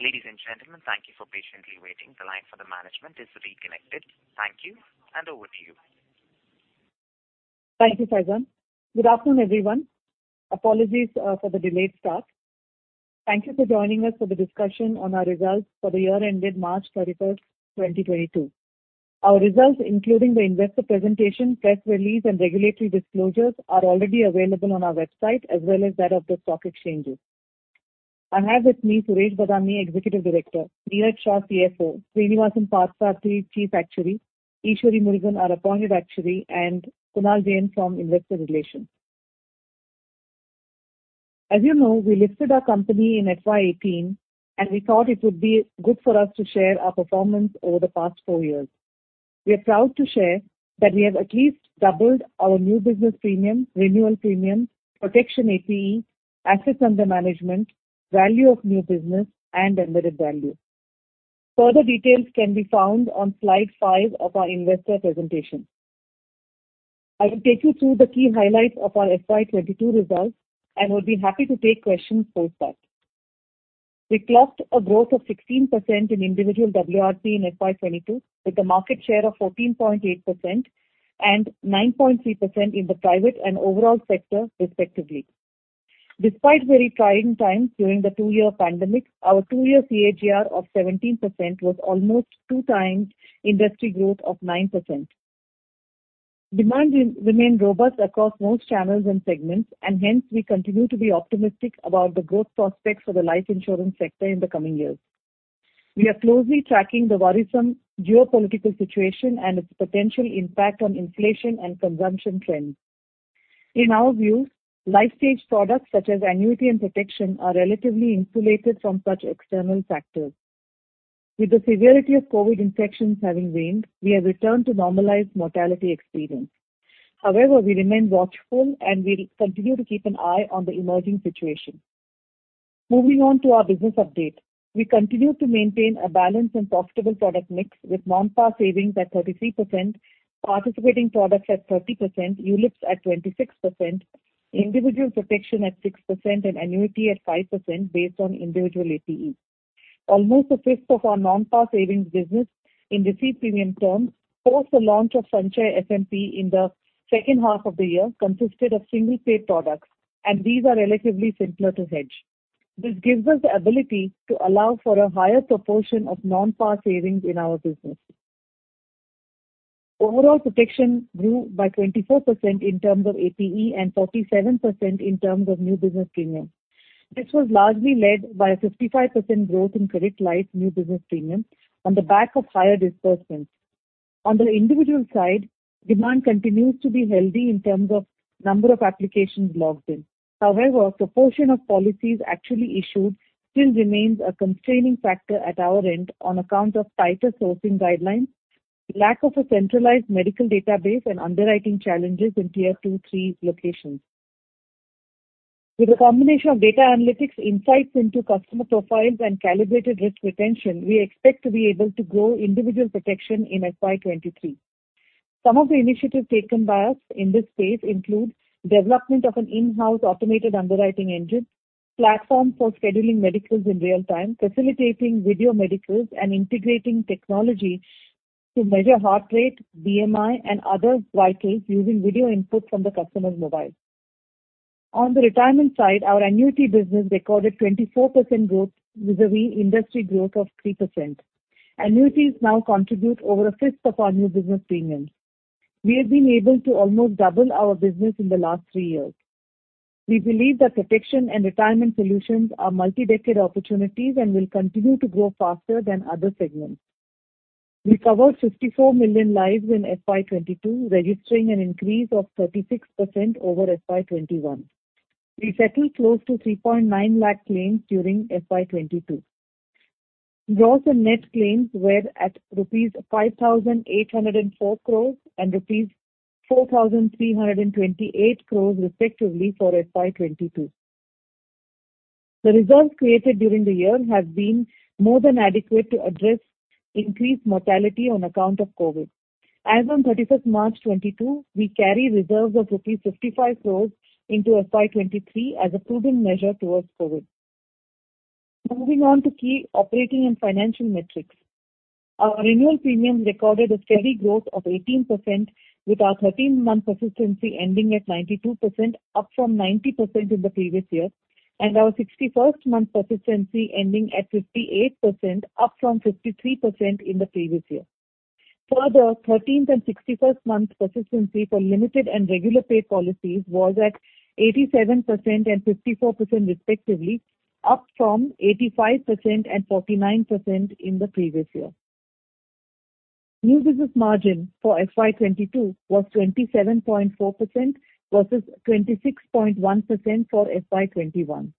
Ladies and gentlemen, thank you for patiently waiting. The line for the management is reconnected. Thank you, and over to you. Thank you, Faizan. Good afternoon, everyone. Apologies for the delayed start. Thank you for joining us for the discussion on our results for the year ended March 31, 2022. Our results, including the investor presentation, press release, and regulatory disclosures are already available on our website as well as that of the stock exchanges. I have with me Suresh Badami, Executive Director, Neeraj Shah, CFO, Srinivasan Parthasarathy, Chief Actuary, Eswari Murugan, our Appointed Actuary, and Kunal Jain from Investor Relations. As you know, we listed our company in FY 2018, and we thought it would be good for us to share our performance over the past four years. We are proud to share that we have at least doubled our new business premium, renewal premium, protection APE, assets under management, value of new business, and embedded value. Further details can be found on slide 5 of our investor presentation. I will take you through the key highlights of our FY 2022 results and would be happy to take questions post that. We clocked a growth of 16% in individual WRP in FY 2022, with a market share of 14.8% and 9.3% in the private and overall sector respectively. Despite very trying times during the 2-year pandemic, our 2-year CAGR of 17% was almost 2 times industry growth of 9%. Demand remained robust across most channels and segments, and hence we continue to be optimistic about the growth prospects for the life insurance sector in the coming years. We are closely tracking the worrisome geopolitical situation and its potential impact on inflation and consumption trends. In our view, life stage products such as annuity and protection are relatively insulated from such external factors. With the severity of COVID infections having waned, we have returned to normalized mortality experience. However, we remain watchful, and we'll continue to keep an eye on the emerging situation. Moving on to our business update. We continue to maintain a balanced and profitable product mix with non-par savings at 33%, participating products at 30%, ULIPs at 26%, individual protection at 6%, and annuity at 5% based on individual APE. Almost a fifth of our non-par savings business in received premium terms post the launch of Sanchay FMP in the second half of the year consisted of single pay products, and these are relatively simpler to hedge. This gives us the ability to allow for a higher proportion of non-par savings in our business. Overall protection grew by 24% in terms of APE and 47% in terms of new business premium. This was largely led by a 55% growth in credit life new business premium on the back of higher disbursements. On the individual side, demand continues to be healthy in terms of number of applications logged in. However, proportion of policies actually issued still remains a constraining factor at our end on account of tighter sourcing guidelines, lack of a centralized medical database, and underwriting challenges in tier 2, 3 locations. With a combination of data analytics insights into customer profiles and calibrated risk retention, we expect to be able to grow individual protection in FY 2023. Some of the initiatives taken by us in this space include development of an in-house automated underwriting engine, platform for scheduling medicals in real time, facilitating video medicals, and integrating technology to measure heart rate, BMI, and other vitals using video input from the customer's mobile. On the retirement side, our annuity business recorded 24% growth vis-a-vis industry growth of 3%. Annuities now contribute over a fifth of our new business premiums. We have been able to almost double our business in the last three years. We believe that protection and retirement solutions are multi-decade opportunities and will continue to grow faster than other segments. We covered 54 million lives in FY 2022, registering an increase of 36% over FY 2021. We settled close to 3.9 lakh claims during FY 2022. Gross and net claims were at rupees 5,804 crore and rupees 4,328 crore respectively for FY 2022. The reserves created during the year have been more than adequate to address increased mortality on account of COVID. As on 31 March 2022, we carry reserves of INR 55 crore into FY 2023 as a prudent measure towards COVID. Moving on to key operating and financial metrics. Our renewal premiums recorded a steady growth of 18%, with our 13-month persistency ending at 92%, up from 90% in the previous year, and our 61st-month persistency ending at 58%, up from 53% in the previous year. Further, 13th- and 61st-month persistency for limited and regular paid policies was at 87% and 54% respectively, up from 85% and 49% in the previous year. New business margin for FY 2022 was 27.4% versus 26.1% for FY 2021.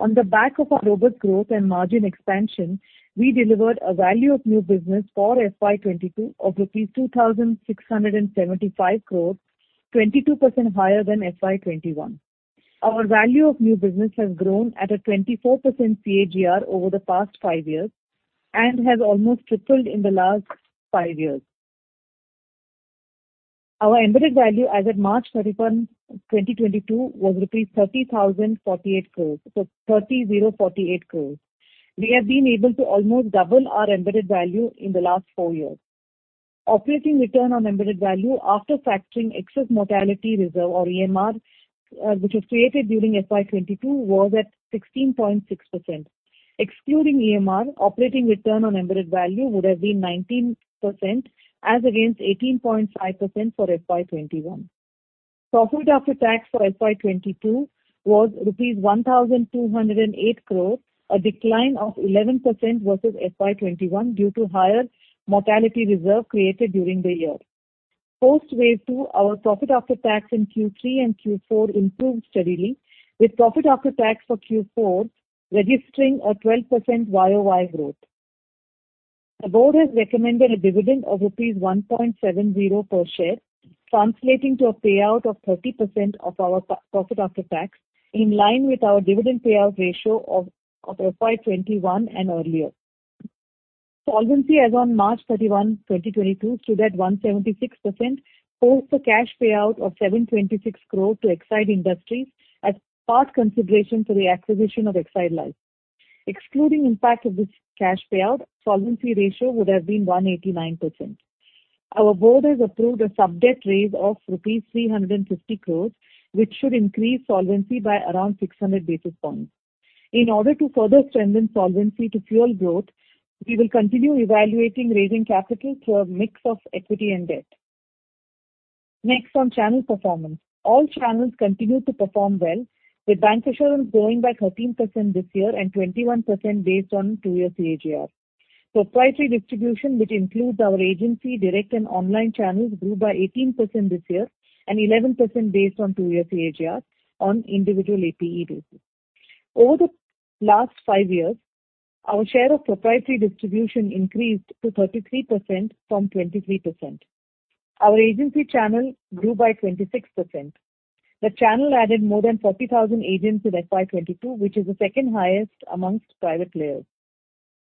On the back of our robust growth and margin expansion, we delivered a value of new business for FY 2022 of rupees 2,675 crore, 22% higher than FY 2021. Our value of new business has grown at a 24% CAGR over the past five years and has almost tripled in the last five years. Our embedded value as of March 31, 2022 was rupees 30,048 crore. 30,048 crore. We have been able to almost double our embedded value in the last four years. Operating return on embedded value after factoring excess mortality reserve or EMR, which was created during FY 2022, was at 16.6%. Excluding EMR, operating return on embedded value would have been 19% as against 18.5% for FY 2021. Profit after tax for FY 2022 was rupees 1,208 crores, a decline of 11% versus FY 2021 due to higher mortality reserve created during the year. Post wave two, our profit after tax in Q3 and Q4 improved steadily, with profit after tax for Q4 registering a 12% year-over-year growth. The board has recommended a dividend of rupees 1.70 per share, translating to a payout of 30% of our profit after tax, in line with our dividend payout ratio of FY 2021 and earlier. Solvency as on March 31, 2022 stood at 176%, post a cash payout of 726 crore to Exide Industries as part consideration for the acquisition of Exide Life. Excluding impact of this cash payout, solvency ratio would have been 189%. Our board has approved a subdebt raise of rupees 350 crore, which should increase solvency by around 600 basis points. In order to further strengthen solvency to fuel growth, we will continue evaluating raising capital through a mix of equity and debt. Next, on channel performance. All channels continued to perform well, with bancassurance growing by 13% this year and 21% based on 2-year CAGR. Proprietary distribution, which includes our agency, direct and online channels, grew by 18% this year and 11% based on 2-year CAGR on individual APE basis. Over the last 5 years, our share of proprietary distribution increased to 33% from 23%. Our agency channel grew by 26%. The channel added more than 40,000 agents in FY 2022, which is the second-highest among private players.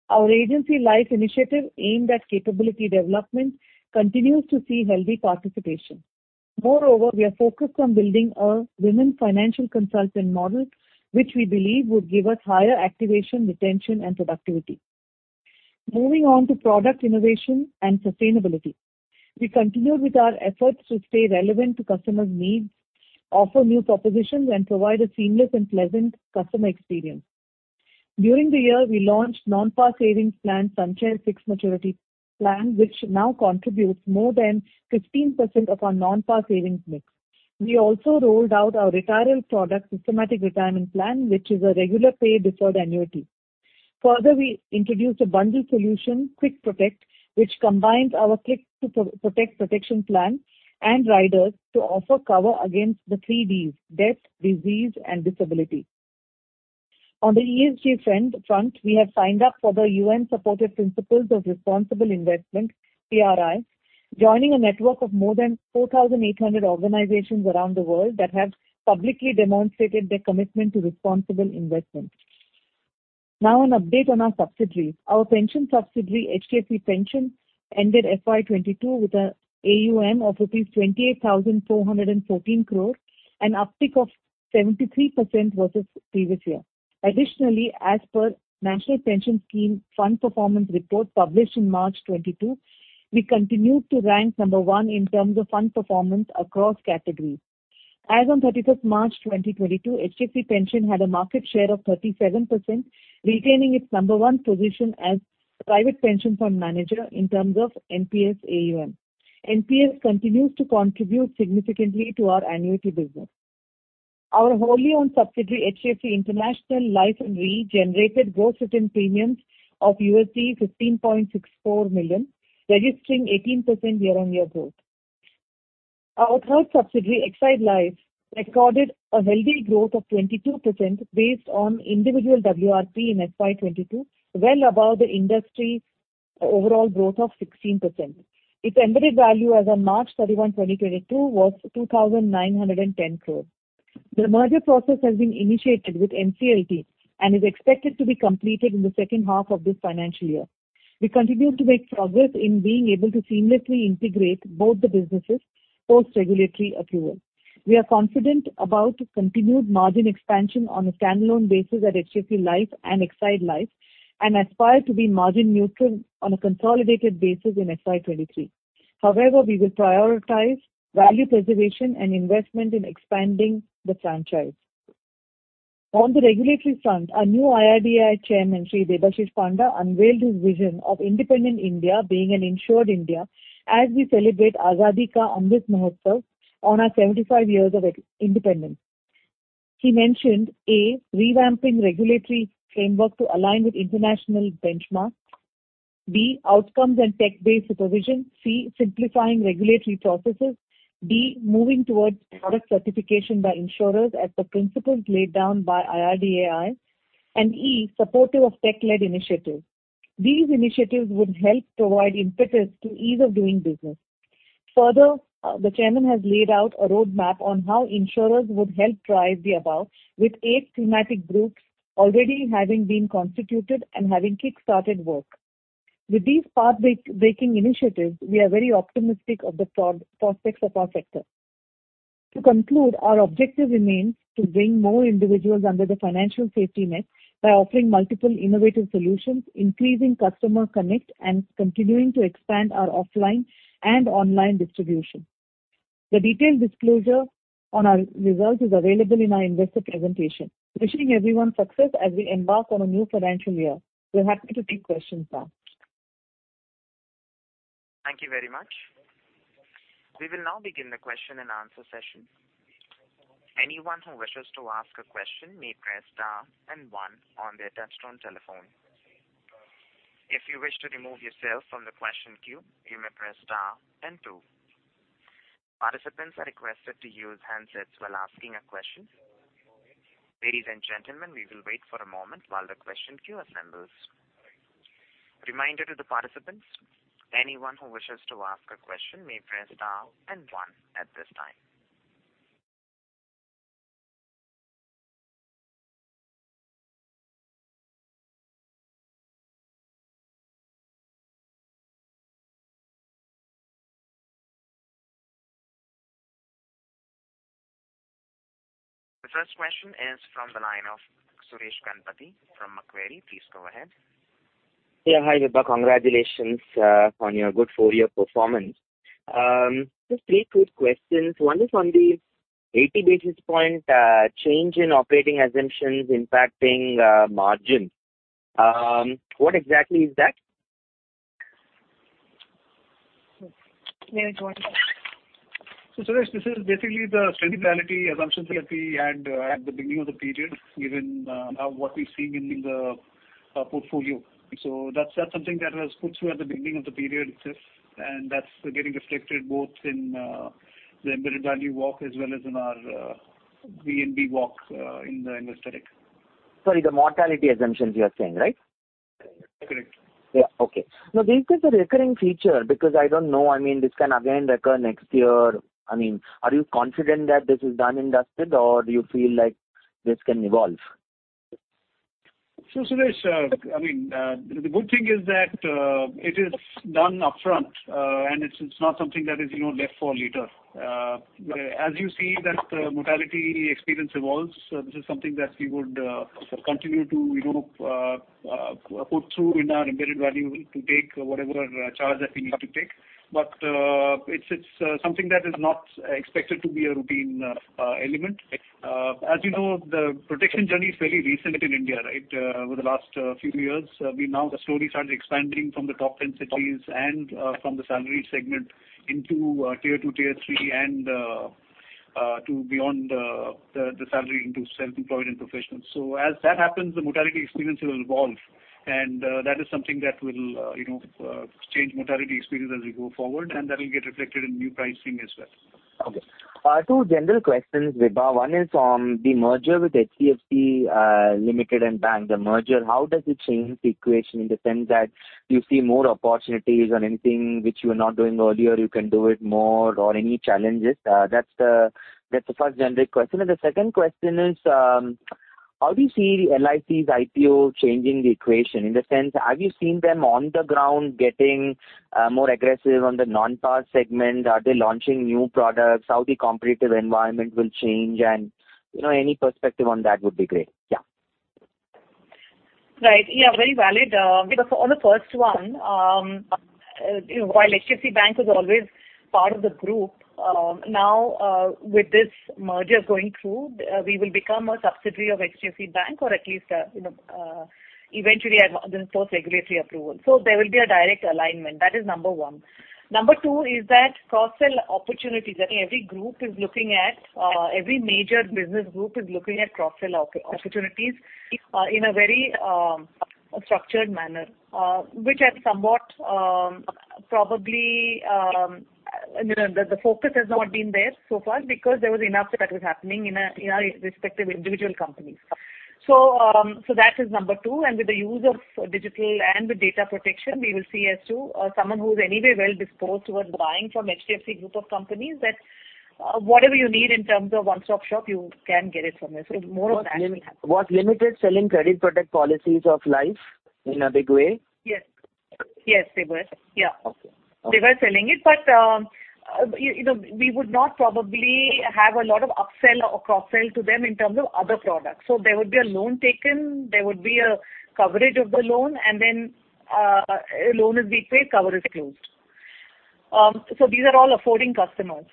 Our agency life initiative aimed at capability development continues to see healthy participation. Moreover, we are focused on building a women financial consultant model, which we believe would give us higher activation, retention and productivity. Moving on to product innovation and sustainability. We continue with our efforts to stay relevant to customers' needs, offer new propositions, and provide a seamless and pleasant customer experience. During the year, we launched non-par savings plan Sanchay Fixed Maturity Plan, which now contributes more than 15% of our non-par savings mix. We also rolled out our retirement product, Systematic Retirement Plan, which is a regular pay deferred annuity. Further, we introduced a bundle solution, Click 2 Protect, which combines our Click 2 Protect protection plan and riders to offer cover against the three Ds, death, disease, and disability. On the ESG front, we have signed up for the UN-supported Principles of Responsible Investment, PRI, joining a network of more than 4,800 organizations around the world that have publicly demonstrated their commitment to responsible investment. Now an update on our subsidiaries. Our pension subsidiary, HDFC Pension, ended FY 2022 with an AUM of rupees 28,414 crore, an uptick of 73% versus previous year. Additionally, as per National Pension Scheme Fund Performance Report published in March 2022, we continued to rank number one in terms of fund performance across categories. As of March 31, 2022, HDFC Pension had a market share of 37%, retaining its number one position as private pension fund manager in terms of NPS AUM. NPS continues to contribute significantly to our annuity business. Our wholly owned subsidiary, HDFC International Life and Re, generated gross written premiums of $15.64 million, registering 18% year-on-year growth. Our third subsidiary, Exide Life, recorded a healthy growth of 22% based on individual WRP in FY 2022, well above the industry's overall growth of 16%. Its embedded value as of March 31, 2022, was 2,910 crore. The merger process has been initiated with NCLT and is expected to be completed in the second half of this financial year. We continue to make progress in being able to seamlessly integrate both the businesses post regulatory approval. We are confident about continued margin expansion on a standalone basis at HDFC Life and Exide Life, and aspire to be margin neutral on a consolidated basis in FY 2023. However, we will prioritize value preservation and investment in expanding the franchise. On the regulatory front, our new IRDAI chairman, Debasish Panda, unveiled his vision of independent India being an insured India as we celebrate Azadi Ka Amrit Mahotsav on our 75 years of independence. He mentioned, A, revamping regulatory framework to align with international benchmarks. B, outcomes and tech-based supervision. C, simplifying regulatory processes. D, moving towards product certification by insurers as the principles laid down by IRDAI. E, supportive of tech-led initiatives. These initiatives would help provide impetus to ease of doing business. Further, the chairman has laid out a roadmap on how insurers would help drive the above with eight thematic groups already having been constituted and having kick-started work. With these path-breaking initiatives, we are very optimistic of the prospects of our sector. To conclude, our objective remains to bring more individuals under the financial safety net by offering multiple innovative solutions, increasing customer connect, and continuing to expand our offline and online distribution. The detailed disclosure on our result is available in our investor presentation. Wishing everyone success as we embark on a new financial year. We're happy to take questions now. Thank you very much. We will now begin the question-and-answer session. Anyone who wishes to ask a question may press star and one on their touch-tone telephone. If you wish to remove yourself from the question queue, you may press star and two. Participants are requested to use handsets while asking a question. Ladies and gentlemen, we will wait for a moment while the question queue assembles. Reminder to the participants, anyone who wishes to ask a question may press star and one at this time. The first question is from the line of Suresh Ganapathy from Macquarie. Please go ahead. Yeah. Hi, Vibha. Congratulations on your good full year performance. Just three quick questions. One is on the 80 basis point change in operating assumptions impacting margin. What exactly is that? Yes. May I go ahead? Suresh Ganapathy, this is basically the sensitivity assumptions that we had at the beginning of the period, given now what we're seeing in the portfolio. That's something that was put through at the beginning of the period, and that's getting reflected both in the embedded value walk as well as in our VNB walk in the investor deck. Sorry, the mortality assumptions you are saying, right? Correct. Yeah. Okay. Now, this is a recurring feature because I don't know, I mean, this can again recur next year. I mean, are you confident that this is done and dusted, or do you feel like this can evolve? Suresh Ganapathy, I mean, the good thing is that it is done upfront, and it's not something that is, you know, left for later. As you see that the mortality experience evolves, this is something that we would continue to, you know, put through in our embedded value to take whatever charge that we need to take. It's something that is not expected to be a routine element. As you know, the protection journey is fairly recent in India, right? Over the last few years, we now slowly started expanding from the top 10 cities and from the salary segment into tier two, tier three and to beyond the salary into self-employed and professionals. As that happens, the mortality experience will evolve. That is something that will, you know, change mortality experience as we go forward, and that will get reflected in new pricing as well. Okay. Two general questions, Vibha. One is on the merger with HDFC Limited and Bank. The merger, how does it change the equation in the sense that do you see more opportunities on anything which you were not doing earlier, you can do it more or any challenges? That's the first general question. The second question is, how do you see LIC's IPO changing the equation? In the sense, have you seen them on the ground getting more aggressive on the non-par segment? Are they launching new products? How the competitive environment will change? You know, any perspective on that would be great. Yeah. Right. Yeah, very valid. On the first one, you know, while HDFC Bank was always part of the group, now, with this merger going through, we will become a subsidiary of HDFC Bank or at least, you know, eventually once regulatory approval. There will be a direct alignment. That is number one. Number two is that cross-sell opportunities that every group is looking at, every major business group is looking at cross-sell opportunities, in a very, structured manner, which has somewhat, probably, you know, the focus has not been there so far because there was enough that was happening in our respective individual companies. That is number two. With the use of digital and with data protection, we will see as to someone who's anyway well-disposed towards buying from HDFC Group of companies that, whatever you need in terms of one-stop shop, you can get it from there. More of that will happen. Was HDFC Limited selling Credit Protect policies of Life in a big way? Yes. Yes, they were. Yeah. Okay. They were selling it, but you know, we would not probably have a lot of upsell or cross-sell to them in terms of other products. There would be a loan taken, there would be a coverage of the loan, and then loan is being paid, cover is closed. These are all affording customers.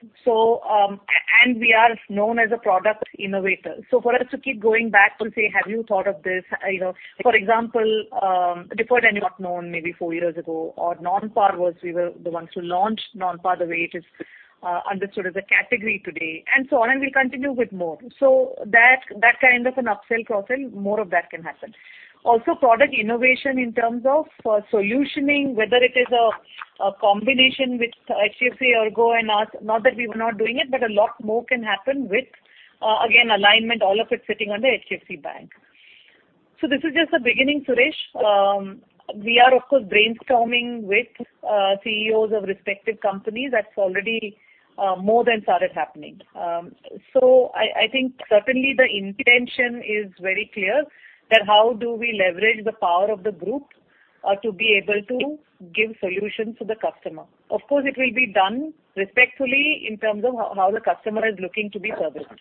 We are known as a product innovator. For us to keep going back to say, "Have you thought of this?" You know. For example, Deferred Annuity was not known maybe four years ago or non-par was we were the ones who launched non-par the way it is understood as a category today and so on. We'll continue with more. That kind of an upsell, cross-sell, more of that can happen. Product innovation in terms of solutioning, whether it is a combination with HDFC ERGO and us, not that we were not doing it, but a lot more can happen with again, alignment, all of it sitting under HDFC Bank. This is just the beginning, Suresh. We are of course brainstorming with CEOs of respective companies. That's already more than started happening. I think certainly the intention is very clear that how do we leverage the power of the group to be able to give solutions to the customer. Of course, it will be done respectfully in terms of how the customer is looking to be serviced.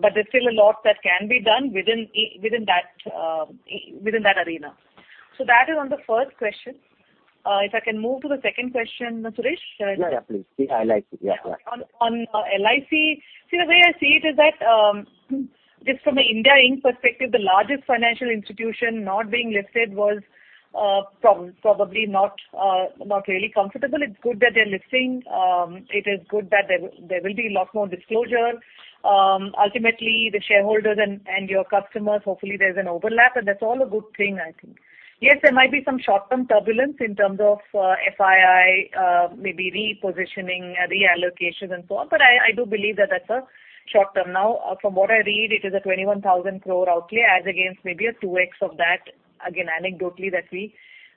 There's still a lot that can be done within that arena. That is on the first question. If I can move to the second question, Suresh, can I do that? Yeah, please. The LIC. Yeah. On LIC. See, the way I see it is that just from an India Inc. perspective, the largest financial institution not being listed was probably not really comfortable. It's good that they're listing. It is good that there will be a lot more disclosure. Ultimately, the shareholders and your customers, hopefully there's an overlap, and that's all a good thing, I think. Yes, there might be some short-term turbulence in terms of FII, maybe repositioning, reallocation and so on. But I do believe that that's short term. Now, from what I read, it is an 21,000 crore outlay as against maybe a 2x of that, again, anecdotally that we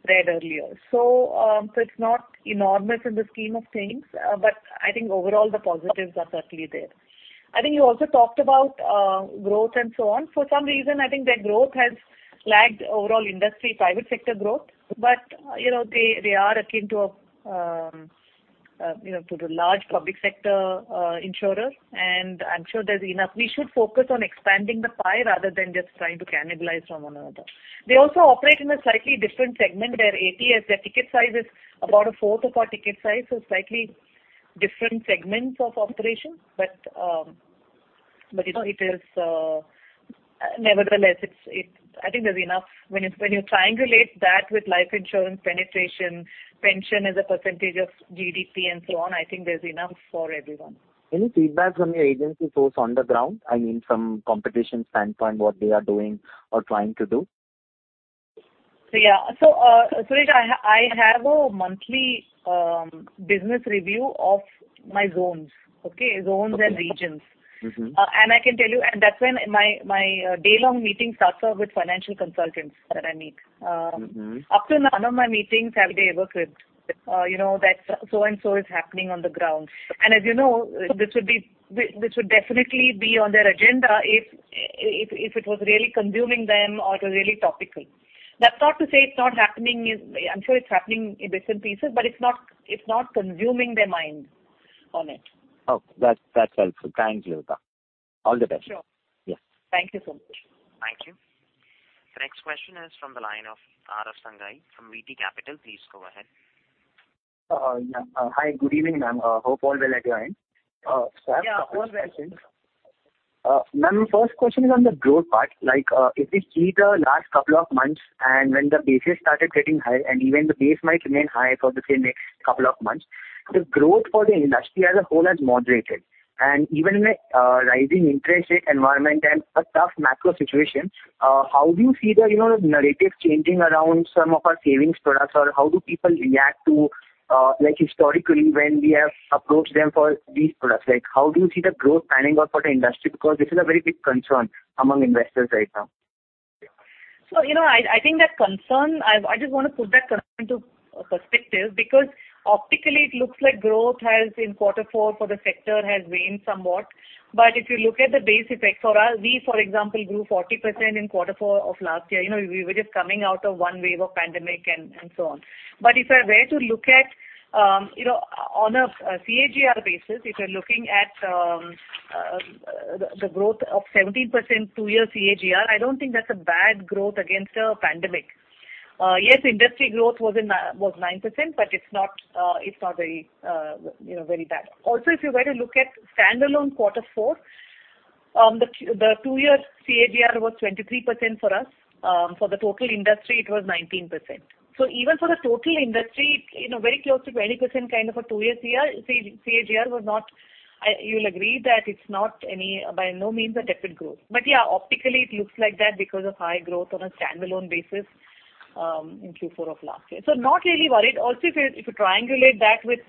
read earlier. It's not enormous in the scheme of things, but I think overall the positives are certainly there. I think you also talked about growth and so on. For some reason, I think their growth has lagged overall industry private sector growth. You know, they are akin to a, you know, to the large public sector insurer. I'm sure there's enough. We should focus on expanding the pie rather than just trying to cannibalize from one another. They also operate in a slightly different segment where ATS, their ticket size is about a fourth of our ticket size, so slightly different segments of operation. You know, it is nevertheless, it's. I think there's enough. When you triangulate that with life insurance penetration, pension as a percentage of GDP and so on, I think there's enough for everyone. Any feedback from your agency source on the ground? I mean, from competition standpoint, what they are doing or trying to do? Yeah. Suresh, I have a monthly business review of my zones. Okay? Okay. Zones and regions. Mm-hmm. That's when my day-long meeting starts off with financial consultants that I meet. Mm-hmm. Up till now none of my meetings have they ever cribbed. You know, that so and so is happening on the ground. As you know, this would definitely be on their agenda if it was really consuming them or it was really topical. That's not to say it's not happening. I'm sure it's happening in bits and pieces, but it's not consuming their mind on it. Okay. That's helpful. Thank you. All the best. Sure. Yeah. Thank you so much. Thank you. The next question is from the line of Arav Sangai from VT Capital. Please go ahead. Yeah. Hi. Good evening, ma'am. Hope all well at your end. I have a couple of questions. Yeah, all well. Ma'am, first question is on the growth part. Like, if we see the last couple of months and when the basis started getting high and even the base might remain high for the same couple of months, the growth for the industry as a whole has moderated. Even in a rising interest rate environment and a tough macro situation, how do you see the, you know, narrative changing around some of our savings products, or how do people react to, like historically when we have approached them for these products? Like, how do you see the growth panning out for the industry? Because this is a very big concern among investors right now. You know, I think that concern, I just want to put that concern to perspective because optically it looks like growth has in quarter four for the sector waned somewhat. If you look at the base effect for us, we, for example, grew 40% in quarter four of last year. You know, we were just coming out of one wave of pandemic and so on. If I were to look at on a CAGR basis, if you're looking at the growth of 17% two-year CAGR, I don't think that's a bad growth against a pandemic. Yes, industry growth was 9%, but it's not very bad. Also, if you were to look at standalone quarter four, the two-year CAGR was 23% for us. For the total industry it was 19%. Even for the total industry, you know, very close to 20% kind of a two-year CAGR was not, you'll agree that it's not by any means a tepid growth. But yeah, optically it looks like that because of high growth on a standalone basis, in Q4 of last year. Not really worried. Also if you triangulate that with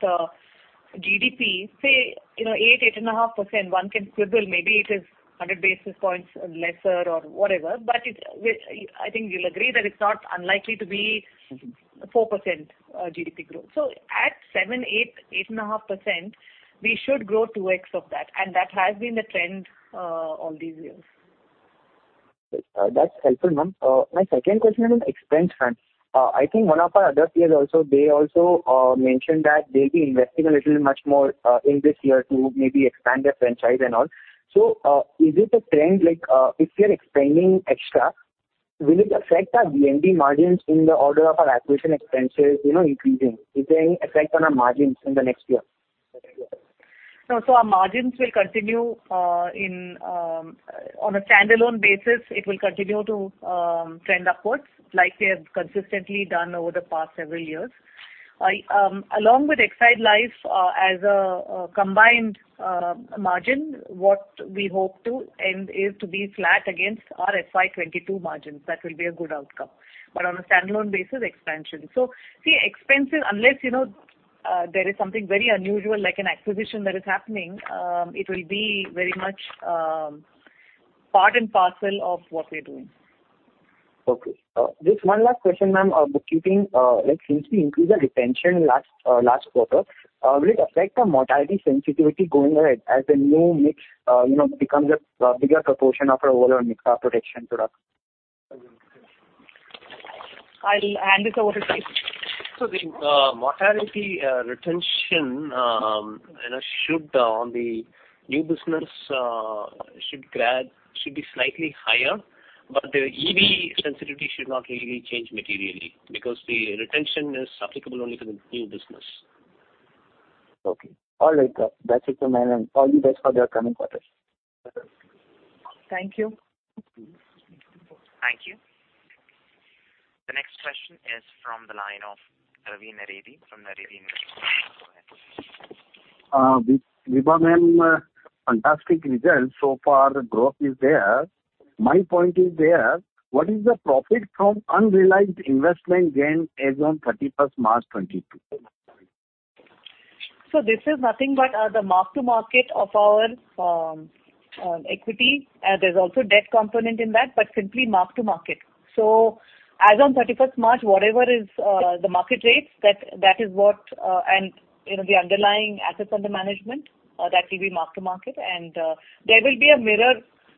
GDP, say, you know, 8-8.5%, one can quibble. Maybe it is 100 basis points lesser or whatever, but I think you'll agree that it's not unlikely to be Mm-hmm. 4% GDP growth. At 7, 8.5%, we should grow 2x of that. That has been the trend all these years. That's helpful, ma'am. My second question is on expense front. I think one of our other peers also mentioned that they'll be investing a little much more in this year to maybe expand their franchise and all. Is it a trend like, if we are expanding extra, will it affect our VNB margins in the order of our acquisition expenses, you know, increasing? Is there any effect on our margins in the next year? No. Our margins will continue on a standalone basis. It will continue to trend upwards like we have consistently done over the past several years. I along with Exide Life as a combined margin, what we hope to end is to be flat against our FY 2022 margins. That will be a good outcome. On a standalone basis, expansion. See, expenses, unless you know there is something very unusual like an acquisition that is happening, it will be very much part and parcel of what we're doing. Okay. Just one last question, ma'am. Bookkeeping, like since we increased the retention last quarter, will it affect our mortality sensitivity going ahead as the new mix, you know, becomes a bigger proportion of our overall mix, our protection products? I'll hand this over to Srinath. The mortality retention you know should on the new business should be slightly higher, but the EV sensitivity should not really change materially because the retention is applicable only to the new business. Okay. All right, sir. That's it from my end. All the best for the upcoming quarter. Thank you. Thank you. The next question is from the line of Ravi Naredi from Naredi Investment Private Limited. Go ahead. Vibha ma'am, fantastic results. So far growth is there. My point is there, what is the profit from unrealized investment gain as on thirty-first March 2022? This is nothing but the mark to market of our equity. There's also debt component in that, but simply mark to market. As on March 31, whatever is the market rates that is what, and you know the underlying assets under management that will be mark to market. There will be a mirror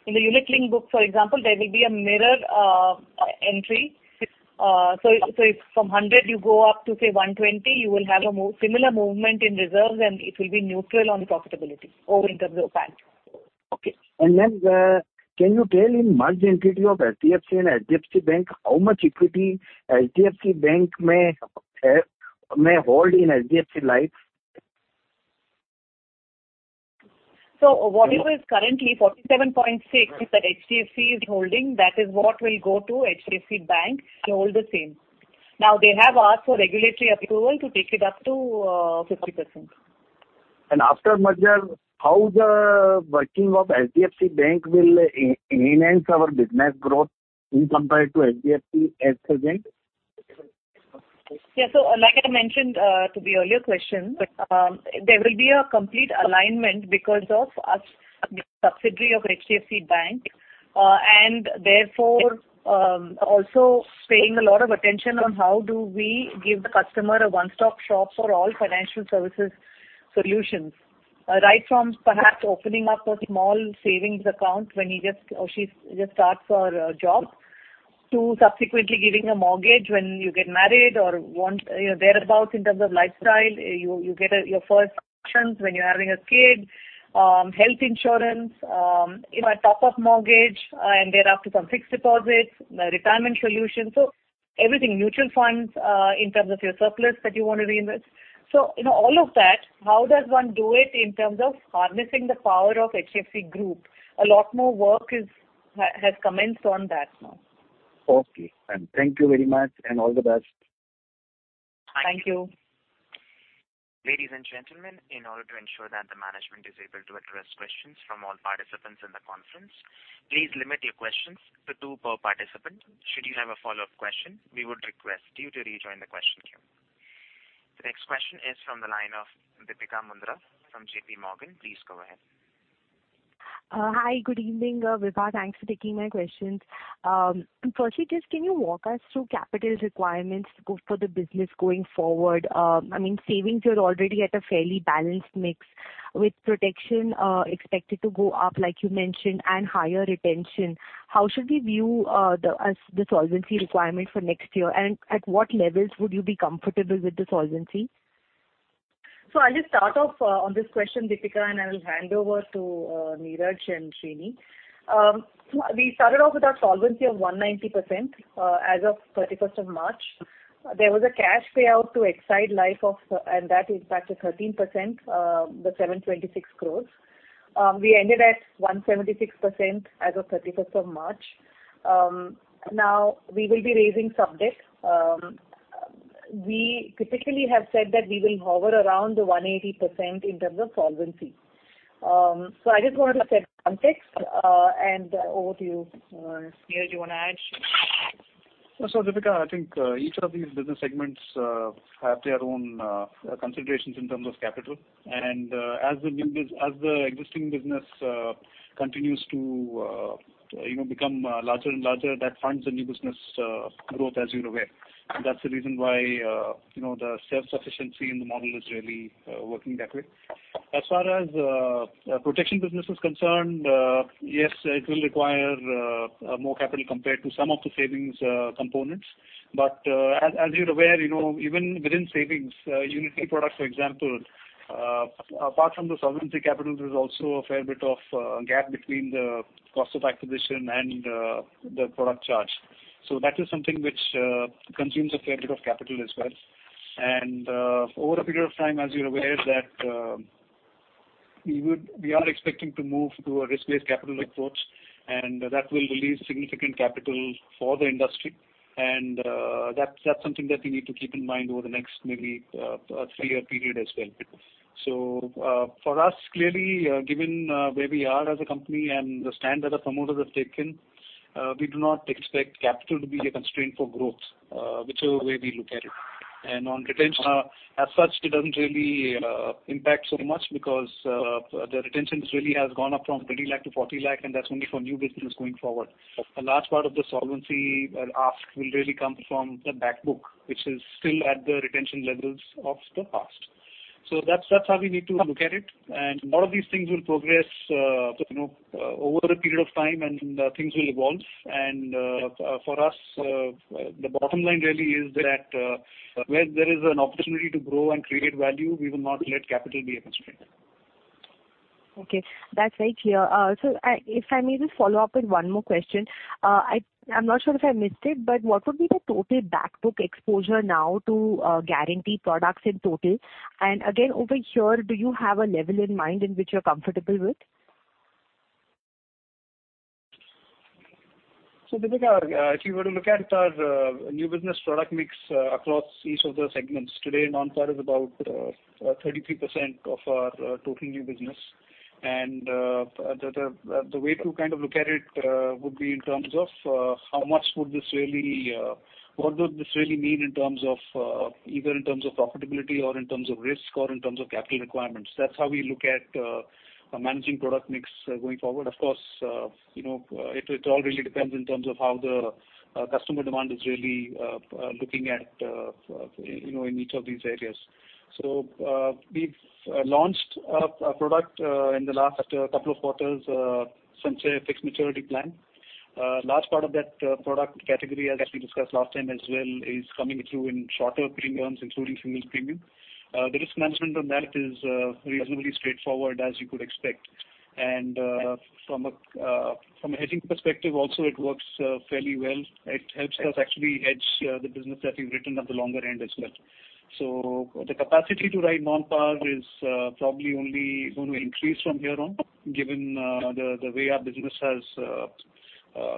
in the unit-linked book, for example, there will be a mirror entry. If from 100 you go up to, say, 120, you will have a similar movement in reserves, and it will be neutral on profitability or in terms of PAT. Okay. Can you tell in the merged entity of HDFC and HDFC Bank how much equity HDFC Bank may hold in HDFC Life? Whatever is currently 47.6% that HDFC is holding, that is what will go to HDFC Bank and hold the same. They have asked for regulatory approval to take it up to 50%. After merger, how the working of HDFC Bank will enhance our business growth in comparison to HDFC at present? Yeah. Like I mentioned to the earlier question, there will be a complete alignment because of us being a subsidiary of HDFC Bank. And therefore, also paying a lot of attention on how do we give the customer a one-stop shop for all financial services solutions. Right from perhaps opening up a small savings account when he just or she just starts her job, to subsequently giving a mortgage when you get married or want, you know, thereabout in terms of lifestyle, you get your first actions when you're having a kid, health insurance, you know, a top up mortgage, and thereafter some fixed deposits, retirement solutions. Everything mutual funds, in terms of your surplus that you wanna reinvest. You know, all of that, how does one do it in terms of harnessing the power of HDFC Group? A lot more work has commenced on that now. Okay. Thank you very much and all the best. Thank you. Ladies and gentlemen, in order to ensure that the management is able to address questions from all participants in the conference, please limit your questions to two per participant. Should you have a follow-up question, we would request you to rejoin the question queue. The next question is from the line of Deepika Mundra from JPMorgan. Please go ahead. Hi. Good evening, Vibha. Thanks for taking my questions. Firstly, just can you walk us through capital requirements for the business going forward? I mean, savings are already at a fairly balanced mix with protection, expected to go up, like you mentioned, and higher retention. How should we view the solvency requirement for next year? And at what levels would you be comfortable with the solvency? I'll just start off on this question, Dipika, and I will hand over to Neeraj and Srini. We started off with our solvency of 190% as of March 31. There was a cash payout to Exide Life of, and that impacted 13%, the 726 crores. We ended at 176% as of March 31. Now we will be raising some debt. We typically have said that we will hover around the 180% in terms of solvency. I just wanted to set context, and over to you. Neeraj, you wanna add? Deepika, I think each of these business segments have their own considerations in terms of capital. As the existing business continues to, you know, become larger and larger, that funds the new business growth as you're aware. That's the reason why, you know, the self-sufficiency in the model is really working that way. As far as protection business is concerned, yes, it will require more capital compared to some of the savings components. As you're aware, you know, even within savings, unit-linked products, for example, apart from the solvency capital, there's also a fair bit of gap between the cost of acquisition and the product charge. That is something which consumes a fair bit of capital as well. Over a period of time, as you're aware that we are expecting to move to a risk-based capital approach, and that will release significant capital for the industry. That's something that we need to keep in mind over the next maybe 3-year period as well. For us, clearly, given where we are as a company and the stand that the promoters have taken, we do not expect capital to be a constraint for growth, whichever way we look at it. On retention, as such, it doesn't really impact so much because the retention really has gone up from 20 lakh-40 lakh, and that's only for new business going forward. A large part of the solvency ask will really come from the back book, which is still at the retention levels of the past. That's how we need to look at it. A lot of these things will progress, you know, over a period of time and things will evolve. For us, the bottom line really is that, where there is an opportunity to grow and create value, we will not let capital be a constraint. Okay. That's very clear. If I may just follow up with one more question. I'm not sure if I missed it, but what would be the total back book exposure now to guaranteed products in total? And again, over here, do you have a level in mind in which you're comfortable with? Dipika, if you were to look at our new business product mix across each of the segments, today non-par is about 33% of our total new business. The way to kind of look at it would be in terms of what would this really mean in terms of either in terms of profitability or in terms of risk or in terms of capital requirements. That's how we look at managing product mix going forward. Of course, you know, it all really depends in terms of how the customer demand is really looking at you know in each of these areas. We've launched a product in the last couple of quarters, Sanchay Fixed Maturity Plan. A large part of that product category, as we discussed last time as well, is coming through in shorter premiums, including single premium. The risk management on that is reasonably straightforward as you could expect. From a hedging perspective also, it works fairly well. It helps us actually hedge the business that we've written at the longer end as well. The capacity to write non-par is probably only going to increase from here on, given the way our business has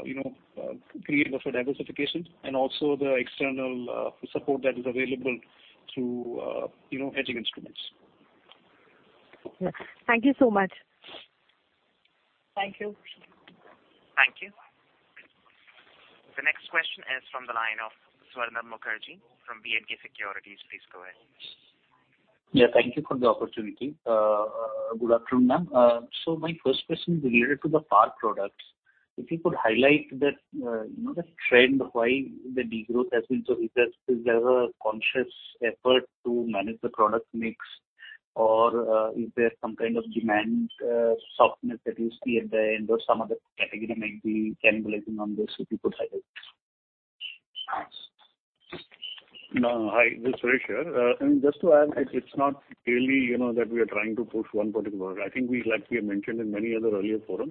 you know created a diversification and also the external support that is available through you know hedging instruments. Thank you so much. Thank you. Thank you. The next question is from the line of Swarnabha Mukherjee from B&K Securities. Please go ahead. Yeah, thank you for the opportunity. Good afternoon, ma'am. So my first question is related to the par products. If you could highlight the, you know, the trend of why the degrowth has been so. Is there a conscious effort to manage the product mix, or, is there some kind of demand softness that you see at the end or some other category might be cannibalizing on this, if you could highlight? No. Hi, this is Suresh here. Just to add, it's not really, you know, that we are trying to push one particular product. I think like we have mentioned in many other earlier forums,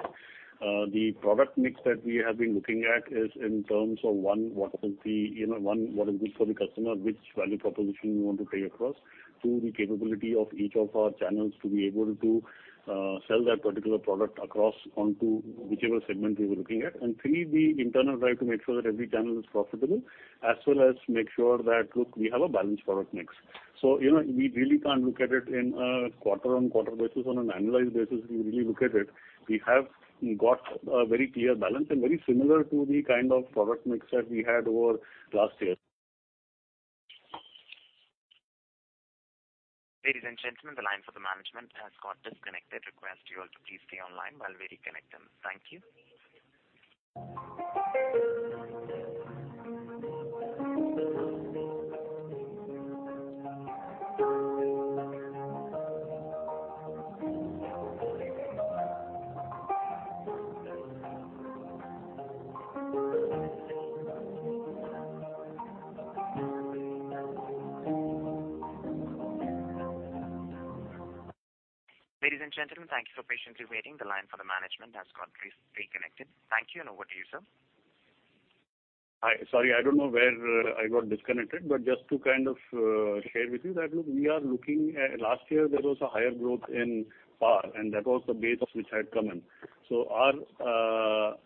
the product mix that we have been looking at is in terms of one, what is good for the customer, which value proposition we want to take across. Two, the capability of each of our channels to be able to sell that particular product across onto whichever segment we were looking at. Three, the internal drive to make sure that every channel is profitable as well as make sure that, look, we have a balanced product mix. You know, we really can't look at it in a quarter-on-quarter basis. On an annualized basis, if you really look at it, we have got a very clear balance and very similar to the kind of product mix that we had over last year. Ladies and gentlemen, the line for the management has got disconnected. Request you all to please stay online while we reconnect them. Thank you. Ladies and gentlemen, thank you for patiently waiting. The line for the management has got re-reconnected. Thank you, and over to you, sir. Hi. Sorry, I don't know where I got disconnected, but just to kind of share with you that, look, we are looking at last year there was a higher growth in par, and that was the base of which had come in. Our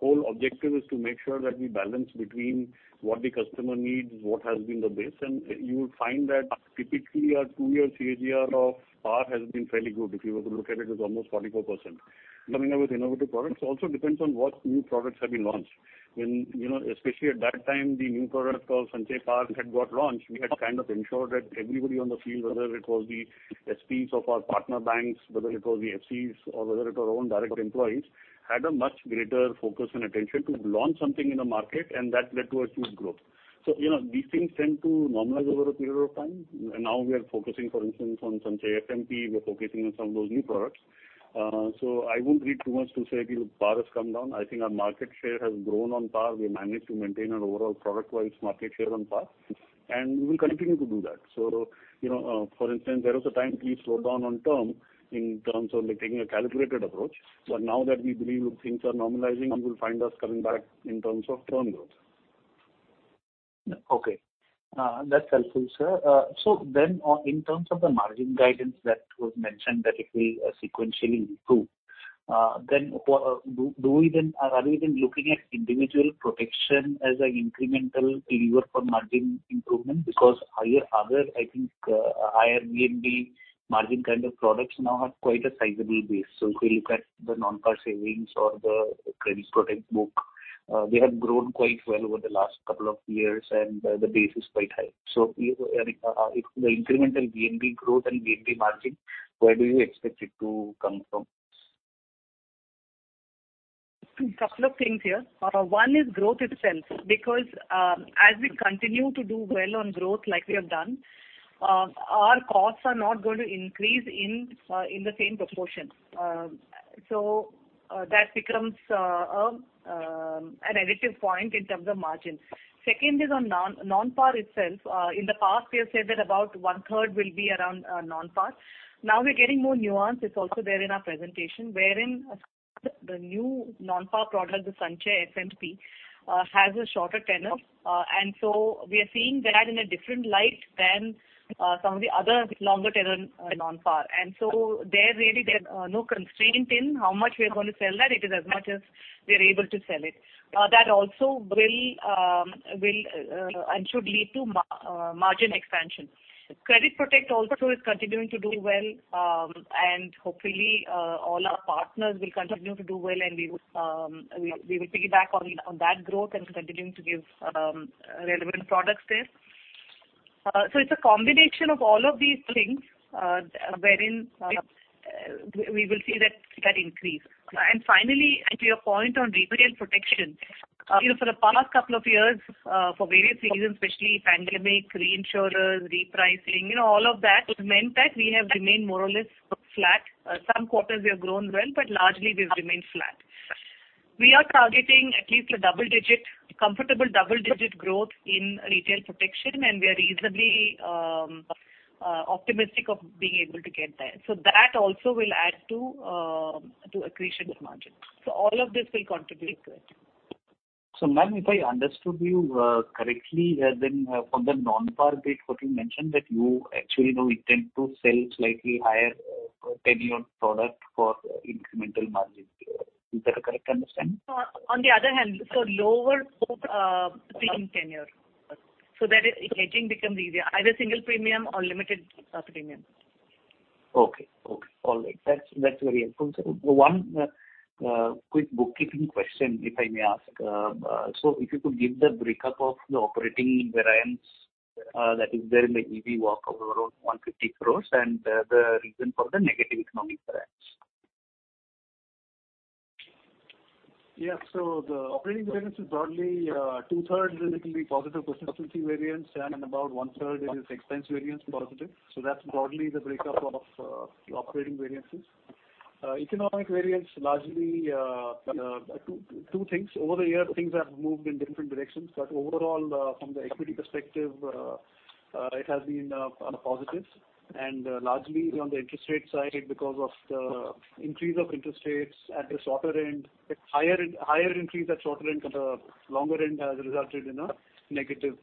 whole objective is to make sure that we balance between what the customer needs, what has been the base. You would find that typically our two-year CAGR of par has been fairly good. If you were to look at it's almost 44%. Coming up with innovative products also depends on what new products have been launched. When, you know, especially at that time, the new product called Sanchay Par had got launched, we had to kind of ensure that everybody on the field, whether it was the SPs of our partner banks, whether it was the FCs or whether it was our own direct employees, had a much greater focus and attention to launch something in the market and that led to a huge growth. You know, these things tend to normalize over a period of time. Now we are focusing, for instance, on Sanchay FMP, we're focusing on some of those new products. I wouldn't read too much to say, look, par has come down. I think our market share has grown on par. We managed to maintain an overall product wise market share on par, and we will continue to do that. You know, for instance, there was a time we slowed down on term in terms of like taking a calculated approach. Now that we believe things are normalizing, you will find us coming back in terms of term growth. Okay. That's helpful, sir. Then in terms of the margin guidance that was mentioned that it will sequentially improve, are we then looking at individual protection as an incremental lever for margin improvement? Because your other, I think, higher VNB margin kind of products now have quite a sizable base. If we look at the non-par savings or the credit product book, they have grown quite well over the last couple of years and the base is quite high. The incremental VNB growth and VNB margin, where do you expect it to come from? A couple of things here. One is growth itself, because as we continue to do well on growth like we have done, our costs are not going to increase in the same proportion. That becomes an additive point in terms of margin. Second is on non-par itself. In the past we have said that about one third will be around non-par. Now we're getting more nuanced. It's also there in our presentation, wherein the new non-par product, the Sanchay FMP, has a shorter tenure. We are seeing that in a different light than some of the other longer tenure non-par. There really there's no constraint in how much we are gonna sell that. It is as much as we are able to sell it. That also will and should lead to margin expansion. Credit Protect also is continuing to do well. Hopefully, all our partners will continue to do well and we will piggyback on that growth and continuing to give relevant products there. It's a combination of all of these things, wherein we will see that increase. Finally, to your point on retail protection, you know, for the past couple of years, for various reasons, especially pandemic, reinsurers, repricing, you know, all of that meant that we have remained more or less flat. Some quarters we have grown well, but largely we've remained flat. We are targeting at least a comfortable double-digit growth in retail protection, and we are reasonably optimistic of being able to get there. That also will add to accretion of margin. All of this will contribute to it. Ma'am, if I understood you correctly, then for the non-par bit what you mentioned that you actually now intend to sell slightly higher per tenure product for incremental margin. Is that a correct understanding? No. On the other hand, so lower premium tenure, so that hedging becomes easier, either single premium or limited premium. Okay. All right. That's very helpful. One quick bookkeeping question, if I may ask. If you could give the breakup of the operating variance that is there in the EV walk of around 150 crore and the reason for the negative economic variance. Yeah. The operating variance is broadly two thirds will typically be positive persistency variance, and about one third is expense variance positive. That's broadly the breakup of the operating variances. Economic variance largely two things. Over the year things have moved in different directions, but overall from the equity perspective it has been positive. Largely on the interest rate side because of the increase of interest rates at the shorter end, higher increase at shorter end but longer end has resulted in a negative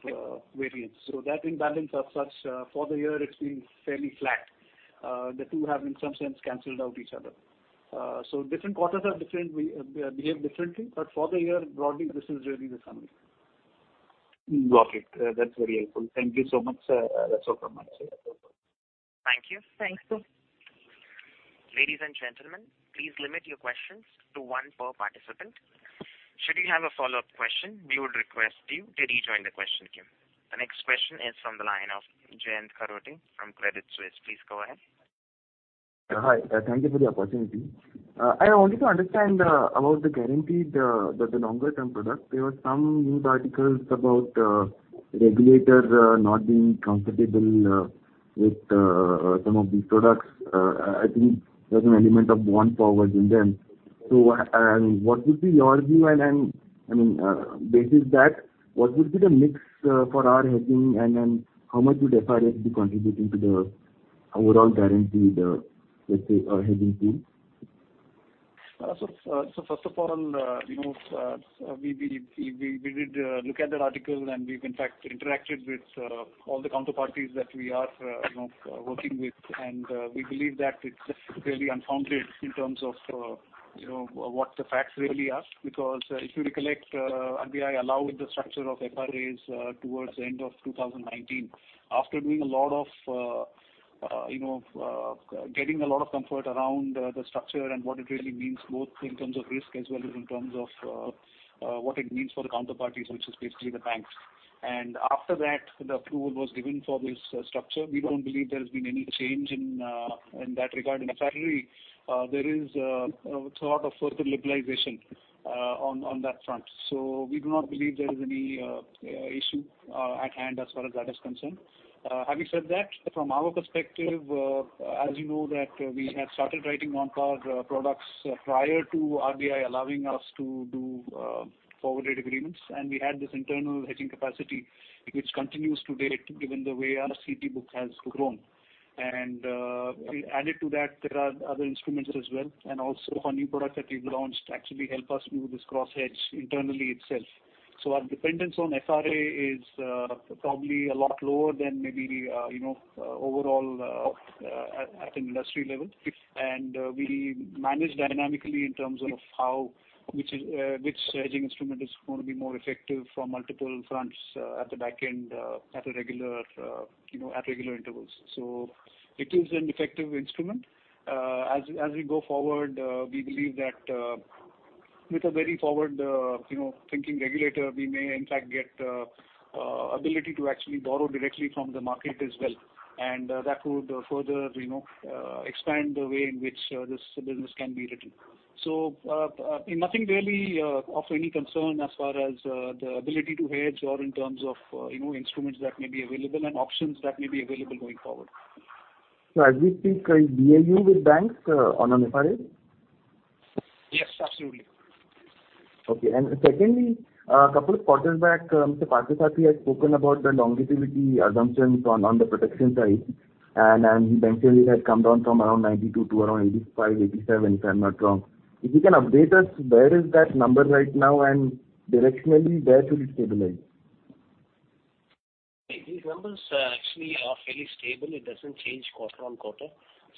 variance. That in balance as such for the year it's been fairly flat. The two have in some sense canceled out each other. Different quarters are different. We behave differently, but for the year broadly, this is really the summary. Got it. That's very helpful. Thank you so much, sir. That's all from my side. Thank you. Thanks. Ladies and gentlemen, please limit your questions to one per participant. Should you have a follow-up question, we would request you to rejoin the question queue. The next question is from the line of Jayant Kharote from Credit Suisse. Please go ahead. Hi. Thank you for the opportunity. I wanted to understand about the guaranteed longer term product. There were some news articles about regulator not being comfortable with some of these products. I think there's an element of bond forward in them. What would be your view and I mean basis that what would be the mix for our hedging and then how much would FRAs be contributing to the overall guaranteed let's say hedging pool? First of all, you know, we did look at that article and we in fact interacted with all the counterparties that we are you know working with. We believe that it's really unfounded in terms of you know what the facts really are. Because if you recollect, RBI allowed the structure of FRAs towards the end of 2019. After doing a lot of you know getting a lot of comfort around the structure and what it really means both in terms of risk as well as in terms of what it means for the counterparties, which is basically the banks. After that the approval was given for this structure. We don't believe there has been any change in that regard. In fact, really, there is a thought of further liberalization on that front. We do not believe there is any issue at hand as far as that is concerned. Having said that, from our perspective, as you know that we had started writing non-par products prior to RBI allowing us to do forward rate agreements. We had this internal hedging capacity which continues to date given the way our CP book has grown. Added to that, there are other instruments as well, and also our new product that we've launched actually help us do this cross hedge internally itself. Our dependence on FRA is probably a lot lower than maybe you know overall at an industry level. We manage dynamically in terms of how which hedging instrument is going to be more effective from multiple fronts at the back end at regular intervals. It is an effective instrument. As we go forward, we believe that with a very forward thinking regulator, we may in fact get ability to actually borrow directly from the market as well. That would further expand the way in which this business can be written. Nothing really of any concern as far as the ability to hedge or in terms of instruments that may be available and options that may be available going forward. As we speak, are you dealing with banks on an FRAs? Yes, absolutely. Okay. Secondly, a couple of quarters back, Mr. Parthasarathy has spoken about the longevity assumptions on the protection side, he mentioned it had come down from around 92 to around 85, 87, if I'm not wrong. If you can update us, where is that number right now and directionally where to be stabilized? These numbers actually are fairly stable. It doesn't change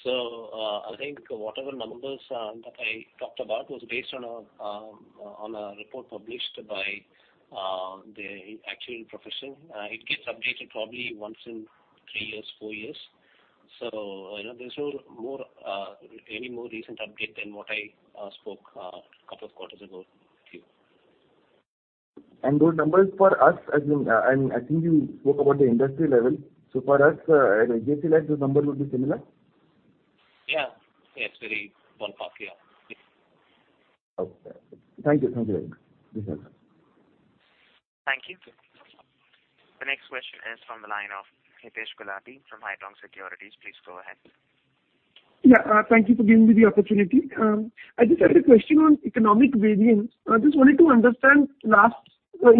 quarter-on-quarter. I think whatever numbers that I talked about was based on a report published by the actuarial profession. It gets updated probably once in three years, four years. You know, there's no more recent update than what I spoke couple of quarters ago with you. Those numbers for us, I mean, I think you spoke about the industry level. For us, at HDFC Life, those numbers would be similar? Yeah. It's very ballpark, yeah. Okay. Thank you. Thank you very much. Yes, sir. Thank you. The next question is from the line of Hitesh Mahida from Edelweiss Securities. Please go ahead. Thank you for giving me the opportunity. I just had a question on economic variance. I just wanted to understand in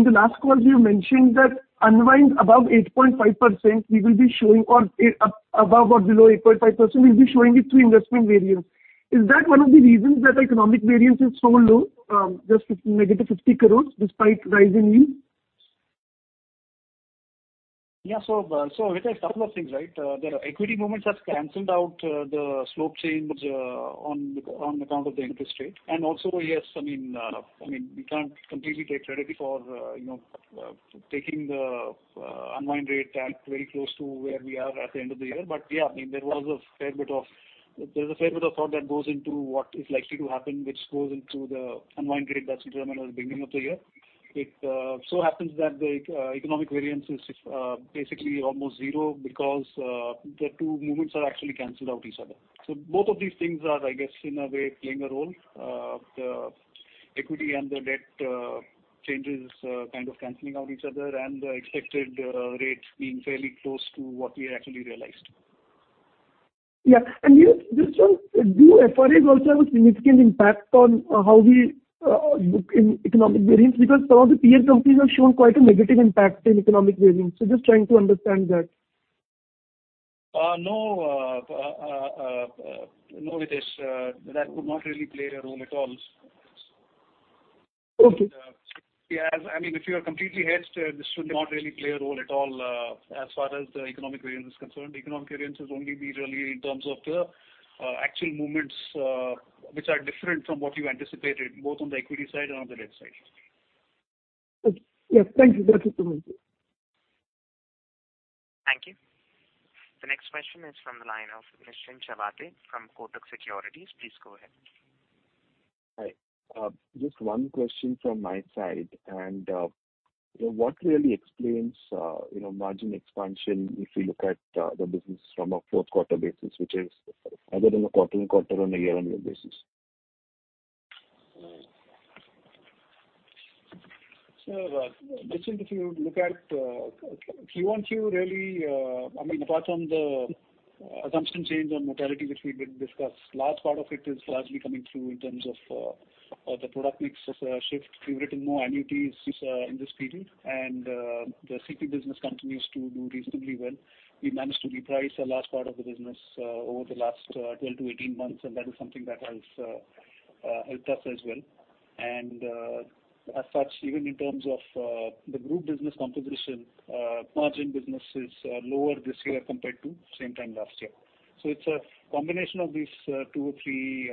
the last quarter you mentioned that unwind above 8.5% we will be showing or above or below 8.5%, we'll be showing it through investment variance. Is that one of the reasons that economic variance is so low, just -50 crore despite rise in yield? Yeah. Hitesh, couple of things, right. The equity movements have canceled out the slope change on account of the interest rate. Yes, I mean, we can't completely take credit for you know taking the unwind rate very close to where we are at the end of the year. Yeah, I mean, there's a fair bit of thought that goes into what is likely to happen, which goes into the unwind rate that's determined at the beginning of the year. It so happens that the economic variance is basically almost zero because the two movements have actually canceled out each other. Both of these things are, I guess, in a way playing a role. The equity and the debt changes kind of canceling out each other and the expected rates being fairly close to what we actually realized. Just one. Do FRAs also have a significant impact on how we look in economic variance? Because some of the peer companies have shown quite a negative impact in economic variance. Just trying to understand that. No, Hitesh. That would not really play a role at all. Okay. Yeah. I mean, if you are completely hedged, this should not really play a role at all, as far as the economic variance is concerned. Economic variance will only be really in terms of the actual movements, which are different from what you anticipated, both on the equity side and on the debt side. Okay. Yes, thank you. That's it from my side. Thank you. The next question is from the line of Nischint Chawathe from Kotak Securities. Please go ahead. Hi. Just one question from my side. What really explains, you know, margin expansion if you look at the business from a fourth quarter basis, which is other than a quarter-on-quarter and a year-on-year basis? Nischint, if you look at Q-on-Q really, I mean, apart from the assumption change on mortality, which we did discuss, large part of it is largely coming through in terms of the product mix shift. We've written more annuities in this period, and the CP business continues to do reasonably well. We managed to reprice a large part of the business over the last 12-18 months, and that is something that has helped us as well. As such, even in terms of the group business composition, margin business is lower this year compared to the same time last year. It's a combination of these two or three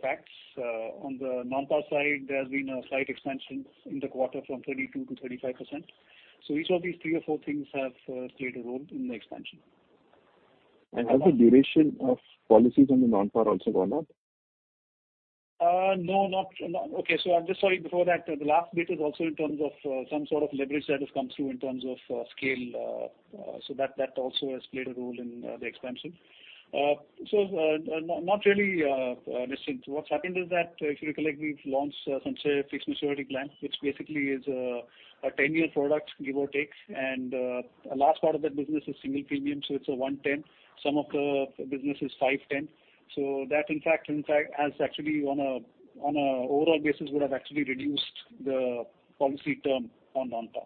facts. On the non-par side, there's been a slight expansion in the quarter from 32%-35%. Each of these three or four things have played a role in the expansion. Has the duration of policies on the non-par also gone up? I'm just sorry, before that, the last bit is also in terms of some sort of leverage that has come through in terms of scale. That also has played a role in the expansion. Not really, Nischint. What's happened is that, if you recollect, we've launched some fixed maturity plan, which basically is a 10-year product, give or take. A large part of that business is single premium, so it's a one-tenth. Some of the business is five-tenth. That in fact has actually on an overall basis would have actually reduced the policy term on non-par.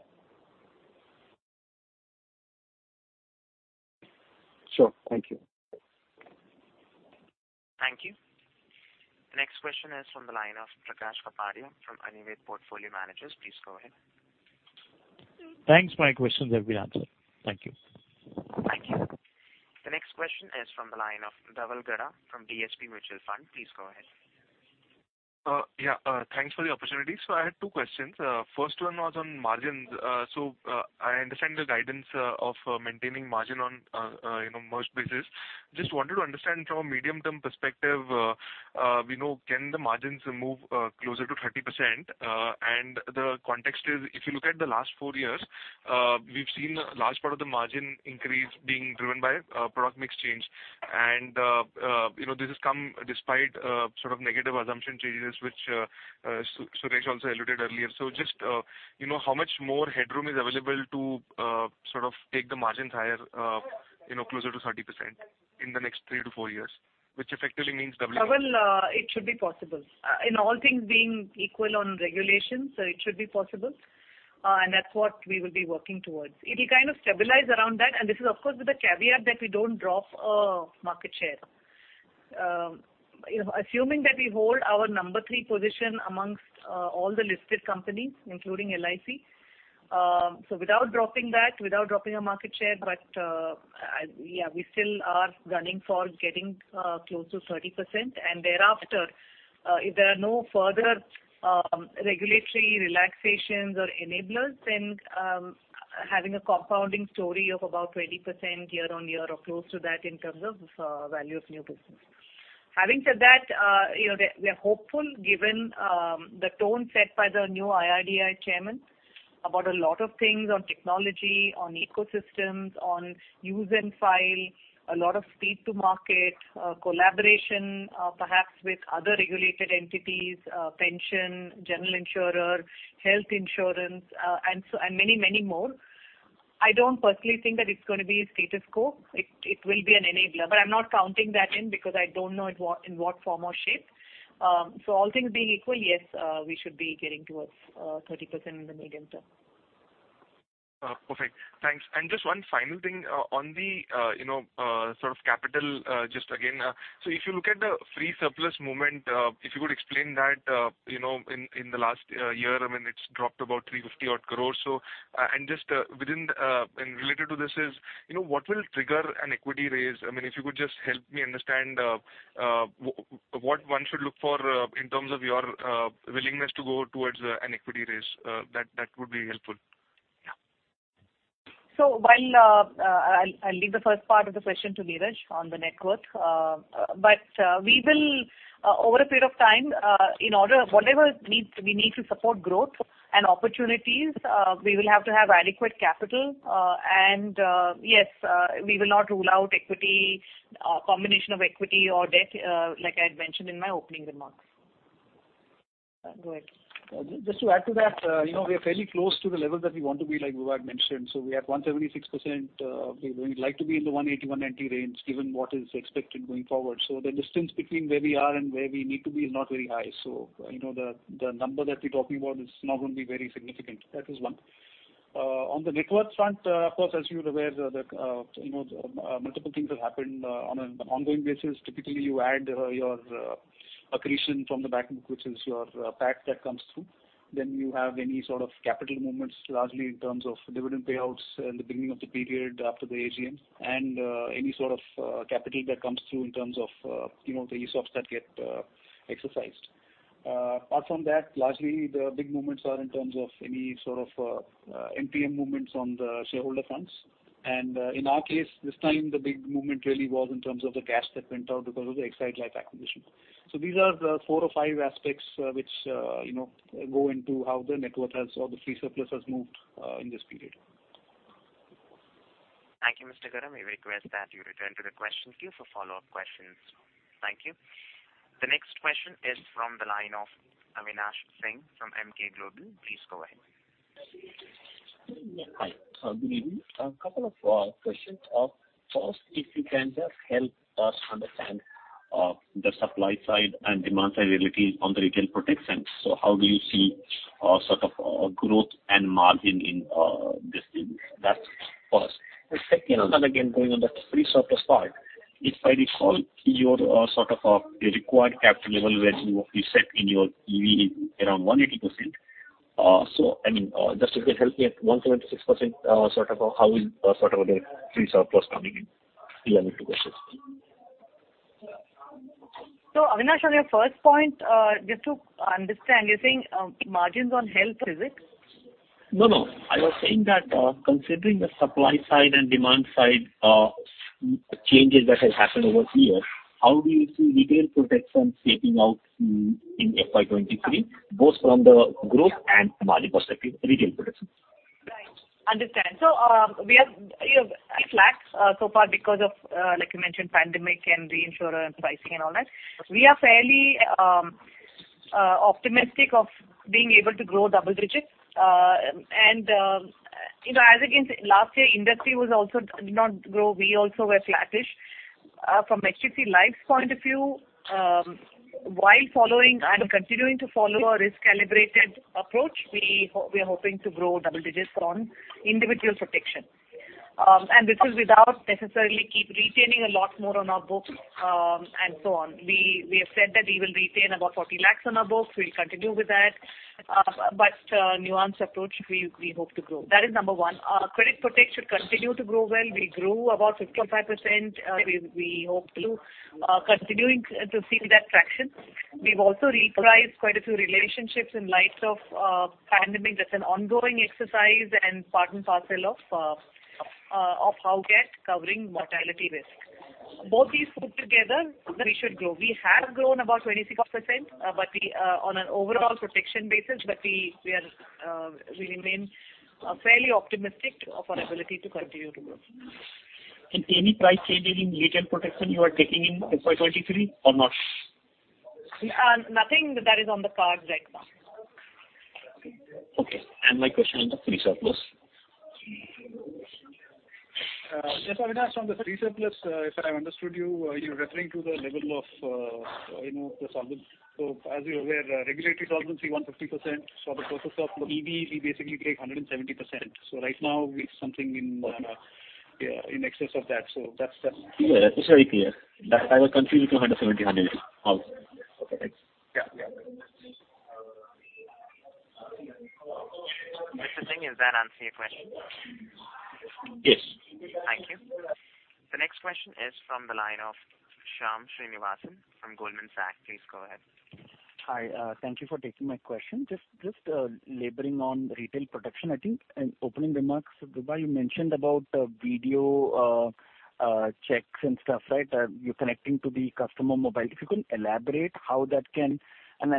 Sure. Thank you. Thank you. The next question is from the line of Prakash Kapadia from Anvil Portfolio Managers. Please go ahead. Thanks. My questions have been answered. Thank you. Thank you. The next question is from the line of Dhaval Gada from DSP Mutual Fund. Please go ahead. Yeah. Thanks for the opportunity. I had two questions. First one was on margins. I understand the guidance of maintaining margin on, you know, merged basis. Just wanted to understand from a medium-term perspective, you know, can the margins move closer to 30%? The context is if you look at the last four years, we've seen a large part of the margin increase being driven by product mix change. You know, this has come despite sort of negative assumption changes which Suresh also alluded earlier. Just, you know, how much more headroom is available to sort of take the margins higher, you know, closer to 30% in the next three to four years, which effectively means W- Well, it should be possible. In all things being equal on regulations, it should be possible, and that's what we will be working towards. It'll kind of stabilize around that, and this is of course with the caveat that we don't drop market share. You know, assuming that we hold our number three position amongst all the listed companies, including LIC. Without dropping that, without dropping our market share, but yeah, we still are gunning for getting close to 30%. Thereafter, if there are no further regulatory relaxations or enablers, then having a compounding story of about 20% year-on-year or close to that in terms of value of new business. Having said that, you know, we're hopeful given the tone set by the new IRDAI chairman about a lot of things on technology, on ecosystems, on use and file, a lot of speed to market, collaboration, perhaps with other regulated entities, pension, general insurer, health insurance, and many, many more. I don't personally think that it's gonna be a status quo. It will be an enabler. But I'm not counting that in because I don't know in what form or shape. So all things being equal, yes, we should be getting towards 30% in the medium term. Perfect. Thanks. Just one final thing, on the, you know, sort of capital, just again. If you look at the free surplus movement, if you could explain that, you know, in the last year, I mean, it's dropped about 350 odd crores. Just within the, and related to this is, you know, what will trigger an equity raise? I mean, if you could just help me understand, what will one should look for, in terms of your willingness to go towards an equity raise, that would be helpful. Yeah. While I'll leave the first part of the question to Niraj on the net worth. We will over a period of time, in order whatever needs we need to support growth and opportunities, we will have to have adequate capital. Yes, we will not rule out equity, combination of equity or debt, like I had mentioned in my opening remarks. Go ahead. Just to add to that, you know, we are fairly close to the level that we want to be, like Vibha mentioned. We have 176%. We would like to be in the 180-190 range given what is expected going forward. The distance between where we are and where we need to be is not very high. You know, the number that we're talking about is not gonna be very significant. That is one. On the net worth front, of course, as you're aware that, you know, multiple things have happened on an ongoing basis. Typically, you add your accretion from the back, which is your PAC that comes through. You have any sort of capital movements, largely in terms of dividend payouts in the beginning of the period after the AGM, and any sort of capital that comes through in terms of, you know, the ESOPs that get exercised. Apart from that, largely the big movements are in terms of any sort of NPM movements on the shareholder fronts. In our case, this time the big movement really was in terms of the cash that went out because of the Exide Life acquisition. These are the four or five aspects, which, you know, go into how the net worth has or the free surplus has moved in this period. Thank you, Mr. Gada. We request that you return to the question queue for follow-up questions. Thank you. The next question is from the line of Avinash Singh from Emkay Global Financial Services. Please go ahead. Hi. Good evening. A couple of questions. First, if you can just help us understand the supply side and demand side realities on the retail protection. How do you see sort of growth and margin in this thing? That's first. The second one, again, going on the free surplus part. If I recall, your sort of required capital level that you set in your EV around 180%. So I mean, just if you can help me at 176%, sort of how is sort of the free surplus coming in? These are my two questions. Avinash, on your first point, just to understand, you're saying, margins on health, is it? No, no. I was saying that, considering the supply side and demand side changes that has happened over the years, how do you see retail protection shaping out in FY 2023, both from the growth and margin perspective, retail protection? Right. Understand. We are, you know, flat so far because of, like you mentioned, pandemic and reinsurer pricing and all that. We are fairly optimistic of being able to grow double digits. You know, as against last year, industry was also did not grow. We also were flattish. From HDFC Life's point of view, while following and continuing to follow a risk-calibrated approach, we are hoping to grow double digits on individual protection. This is without necessarily keep retaining a lot more on our books, and so on. We have said that we will retain about 40 lakhs on our books. We'll continue with that. Nuanced approach, we hope to grow. That is number one. Credit Protect should continue to grow well. We grew about 55%. We hope to continue to see that traction. We've also repriced quite a few relationships in light of pandemic. That's an ongoing exercise and part and parcel of how we are covering mortality risk. Both these put together, we should grow. We have grown about 26%, but we on an overall protection basis, but we remain fairly optimistic of our ability to continue to grow. Any pricing change in retail protection you are taking in FY 2023 or not? Nothing that is on the cards right now. Okay. My question on the free surplus. Yes, Avinash, on the free surplus, if I understood you're referring to the level of, you know, the solvency. As you're aware, regulatory solvency 150% for the purpose of EV, we basically take 170%. Right now it's something in, yeah, in excess of that. That's- Yeah, that's very clear. I was confused with the 170. Okay. Thanks. Yeah. Yeah. Mr. Singh, does that answer your question? Yes. Thank you. The next question is from the line of Shyam Srinivasan from Goldman Sachs. Please go ahead. Hi. Thank you for taking my question. Just elaborating on retail production. I think in opening remarks, Vibha, you mentioned about video checks and stuff, right? You're connecting to the customer mobile. If you could elaborate how that can.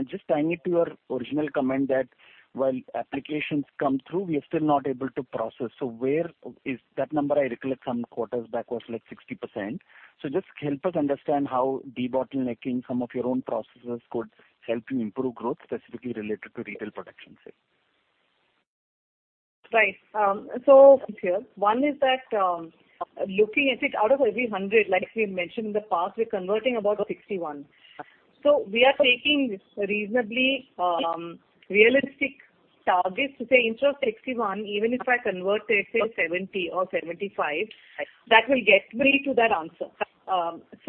Just tying it to your original comment that while applications come through, we are still not able to process. Where is that number I recollect some quarters back was like 60%. Just help us understand how de-bottlenecking some of your own processes could help you improve growth specifically related to retail production sales. Right. Here, one is that, looking at it out of every hundred, like we mentioned in the past, we're converting about 61%. We are taking reasonably realistic targets to say instead of 61%, even if I converted say 70% or 75%, that will get me to that answer. That's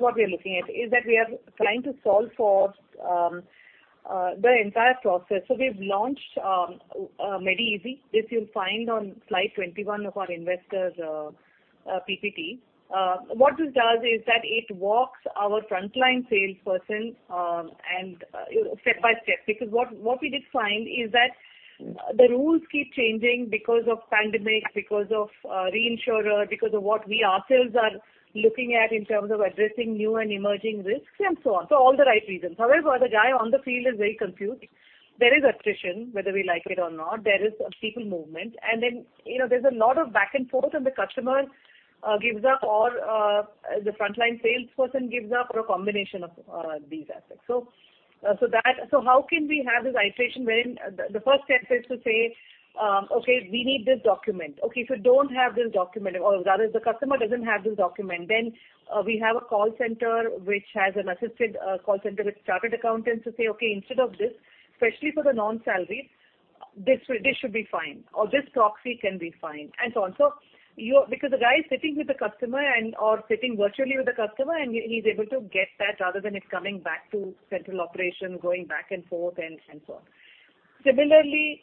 what we are looking at is that we are trying to solve for the entire process. We've launched MediEasy. This you'll find on slide 21 of our investors PPT. What this does is that it walks our frontline salesperson and step by step, because what we did find is that the rules keep changing because of pandemic, because of reinsurer, because of what we ourselves are looking at in terms of addressing new and emerging risks and so on. All the right reasons. However, the guy on the field is very confused. There is attrition, whether we like it or not. There is people movement. You know, there's a lot of back and forth and the customer gives up or the frontline salesperson gives up or a combination of these aspects. How can we have this iteration wherein the first step is to say, "Okay, we need this document. Okay, if you don't have this document or rather the customer doesn't have this document, then we have a call center which has an assisted call center with chartered accountants to say, okay, instead of this, especially for the non-salary, this should be fine or this proxy can be fine and so on. Because the guy is sitting with the customer and or sitting virtually with the customer and he's able to get that rather than it coming back to central operation going back and forth and so on. Similarly,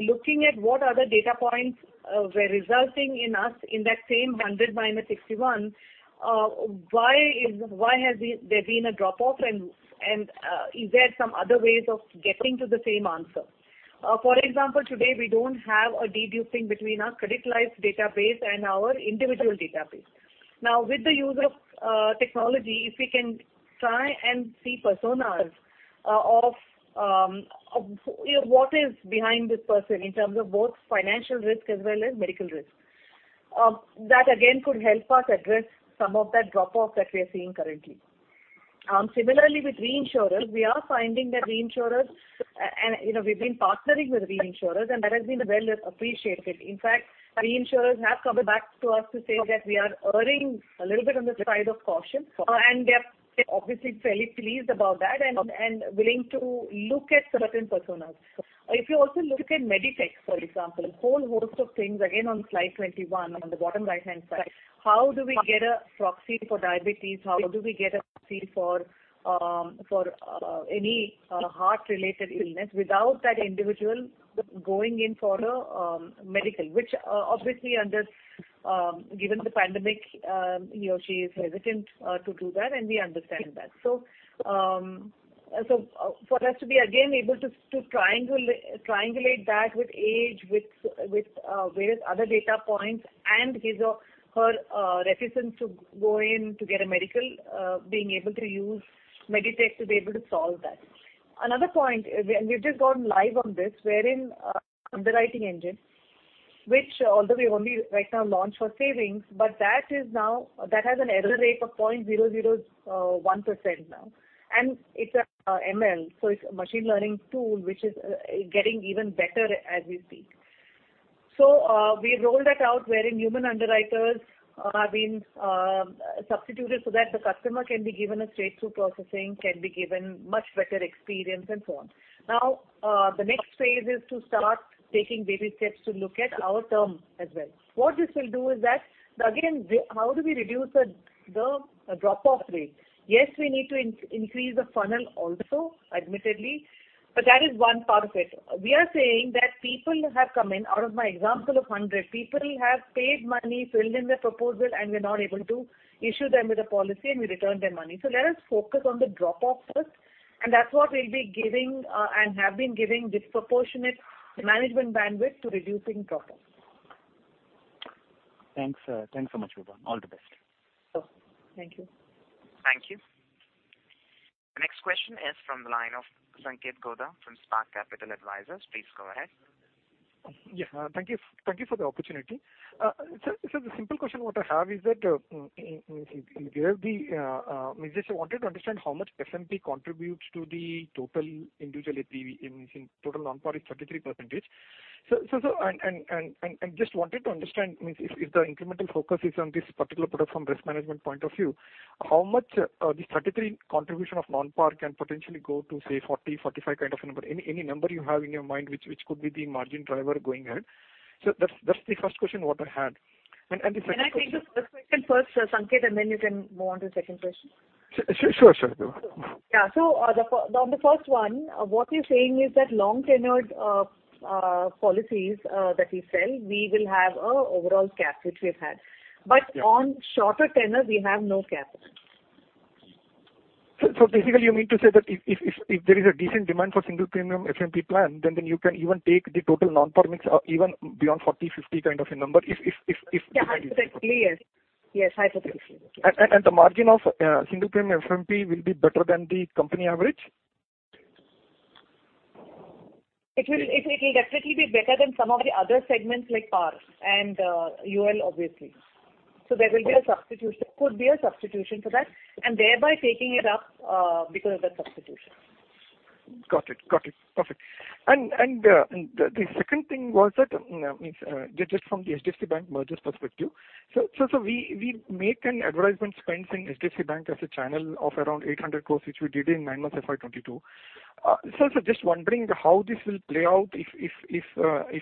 looking at what other data points were resulting in that same 100 - 61, why has there been a drop off and is there some other ways of getting to the same answer? For example, today we don't have a de-duplication between our credit life database and our individual database. Now, with the use of technology, if we can try and see personas of what is behind this person in terms of both financial risk as well as medical risk. That again could help us address some of that drop off that we are seeing currently. Similarly with reinsurers, we are finding that reinsurers and you know, we've been partnering with reinsurers and that has been well appreciated. In fact, reinsurers have come back to us to say that we are erring a little bit on the side of caution and they are obviously fairly pleased about that and willing to look at certain personas. If you also look at Meditech, for example, a whole host of things, again on slide 21 on the bottom right-hand side, how do we get a proxy for diabetes? How do we get a proxy for any heart related illness without that individual going in for a medical, which obviously under given the pandemic, you know, she is hesitant to do that, and we understand that. For us to be again able to triangulate that with age with various other data points and his or her reticence to go in to get a medical, being able to use Meditech to be able to solve that. Another point, we've just gone live on this wherein underwriting engine, which although we only right now launch for savings, but that is now that has an error rate of 0.001% now. It's a ML, so it's a machine learning tool which is getting even better as we speak. We rolled that out wherein human underwriters are being substituted so that the customer can be given a straight through processing, can be given much better experience and so on. Now, the next phase is to start taking baby steps to look at our term as well. What this will do is that again how do we reduce the drop off rate? Yes, we need to increase the funnel also, admittedly, but that is one part of it. We are saying that people have come in out of my example of 100. People have paid money, filled in their proposal, and we're not able to issue them with a policy and we return their money. Let us focus on the drop off first, and that's what we'll be giving, and have been giving disproportionate management bandwidth to reducing drop off. Thanks. Thanks so much, Vibha. All the best. Thank you. Thank you. The next question is from the line of Sanketh Godha from Spark Capital Advisors. Please go ahead. Thank you. Thank you for the opportunity. Sir, the simple question what I have is that, you gave the means just wanted to understand how much SMP contributes to the total individual APV in total non-par is 33%. So, and just wanted to understand means if the incremental focus is on this particular product from risk management point of view, how much the 33% contribution of non-par can potentially go to say 40, 45 kind of a number. Any number you have in your mind which could be the margin driver going ahead. So that's the first question what I had. The second question- Can I take the first question first, Sanket, and then you can move on to the second question. Sure, sure. Yeah. On the first one, what we're saying is that long tenured policies that we sell, we will have a overall cap, which we've had. Yeah. On shorter tenure we have no cap. Basically you mean to say that if there is a decent demand for single premium SMP plan, then you can even take the total non-par mix even beyond 40, 50 kind of a number if. Yeah, hypothetically, yes. Yes, hypothetically. The margin of single premium SMP will be better than the company average? It'll definitely be better than some of the other segments like PAR and UL, obviously. There could be a substitution for that, and thereby taking it up because of that substitution. Got it. Perfect. The second thing was that, I mean, just from the HDFC Bank merger's perspective. We make an advertisement spend in HDFC Bank as a channel of around 800 crore, which we did in nine months FY 2022. Just wondering how this will play out if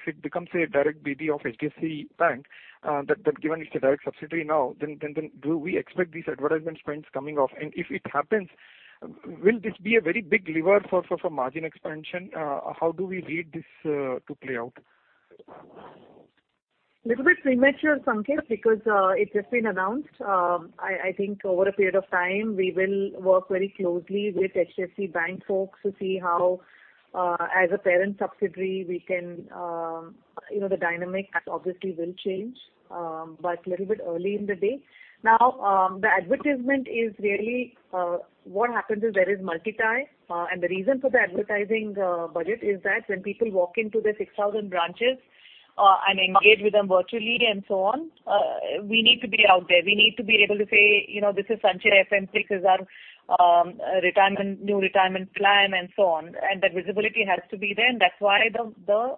it becomes a direct BD of HDFC Bank, that given it's a direct subsidiary now, then do we expect these advertisement spends coming off? If it happens, will this be a very big lever for margin expansion? How do we read this to play out? little bit premature, Sanket, because it's just been announced. I think over a period of time we will work very closely with HDFC Bank folks to see how, as a parent subsidiary we can, you know, the dynamic obviously will change. But little bit early in the day. Now, the advertisement is really what happens is there is multi-tie-up, and the reason for the advertising budget is that when people walk into the 6,000 branches, and engage with them virtually and so on, we need to be out there. We need to be able to say, you know, this is Sanchay FMP, this is our retirement, new retirement plan and so on. That visibility has to be there, and that's why the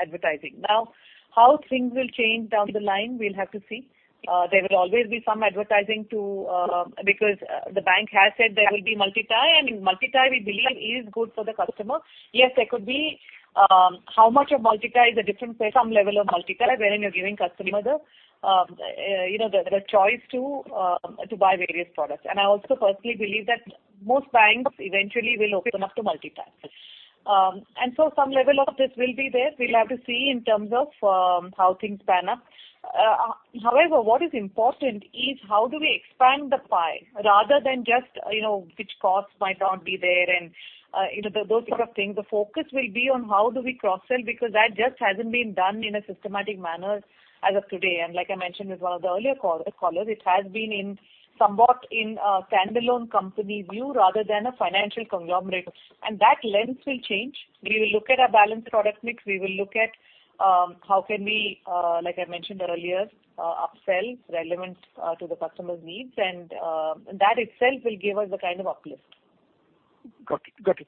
advertising. Now, how things will change down the line, we'll have to see. There will always be some advertising too, because the bank has said there will be multi-tie, and in multi-tie we believe is good for the customer. Yes, there could be. How much of multi-tie is a different story, some level of multi-tie wherein you're giving the customer the, you know, the choice to buy various products. I also personally believe that most banks eventually will open up to multi-tie. Some level of this will be there. We'll have to see in terms of how things pan out. However, what is important is how do we expand the pie rather than just, you know, which costs might not be there and, you know, those type of things. The focus will be on how do we cross-sell, because that just hasn't been done in a systematic manner as of today. Like I mentioned with one of the earlier callers, it has been somewhat in a standalone company view rather than a financial conglomerate. That lens will change. We will look at our balanced product mix. We will look at how can we, like I mentioned earlier, upsell relevant to the customer's needs and that itself will give us a kind of uplift. Got it.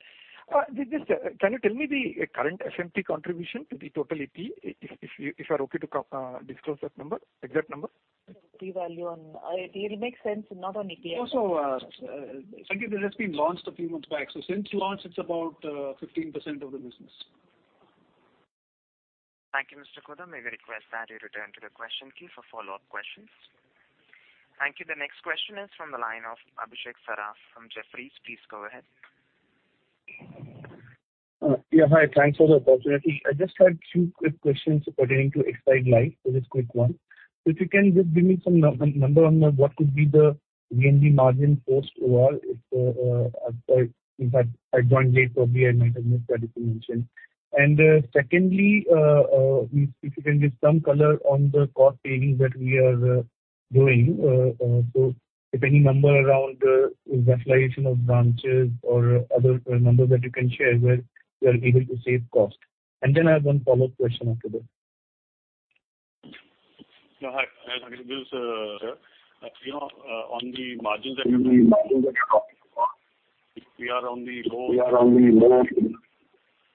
Just, can you tell me the current SMP contribution to the total AP if you're okay to disclose that number, exact number? It'll make sense not on AP- Sanket, it has just been launched a few months back. Since launch it's about 15% of the business. Thank you, Mr. Godha. We request that you return to the question queue for follow-up questions. Thank you. The next question is from the line of Abhishek Saraf from Jefferies. Please go ahead. Yeah. Hi. Thanks for the opportunity. I just had two quick questions pertaining to Exide Life. Just quick one. If you can just give me some number on what could be the VNB margin post overall if I joined late, probably I might have missed that if you mentioned. Secondly, if you can give some color on the cost savings that we are doing. If any number around rationalization of branches or other number that you can share where you are able to save cost. Then I have one follow-up question after that. No. Hi. This is, sir. You know, on the margins that you're talking about, we are on the low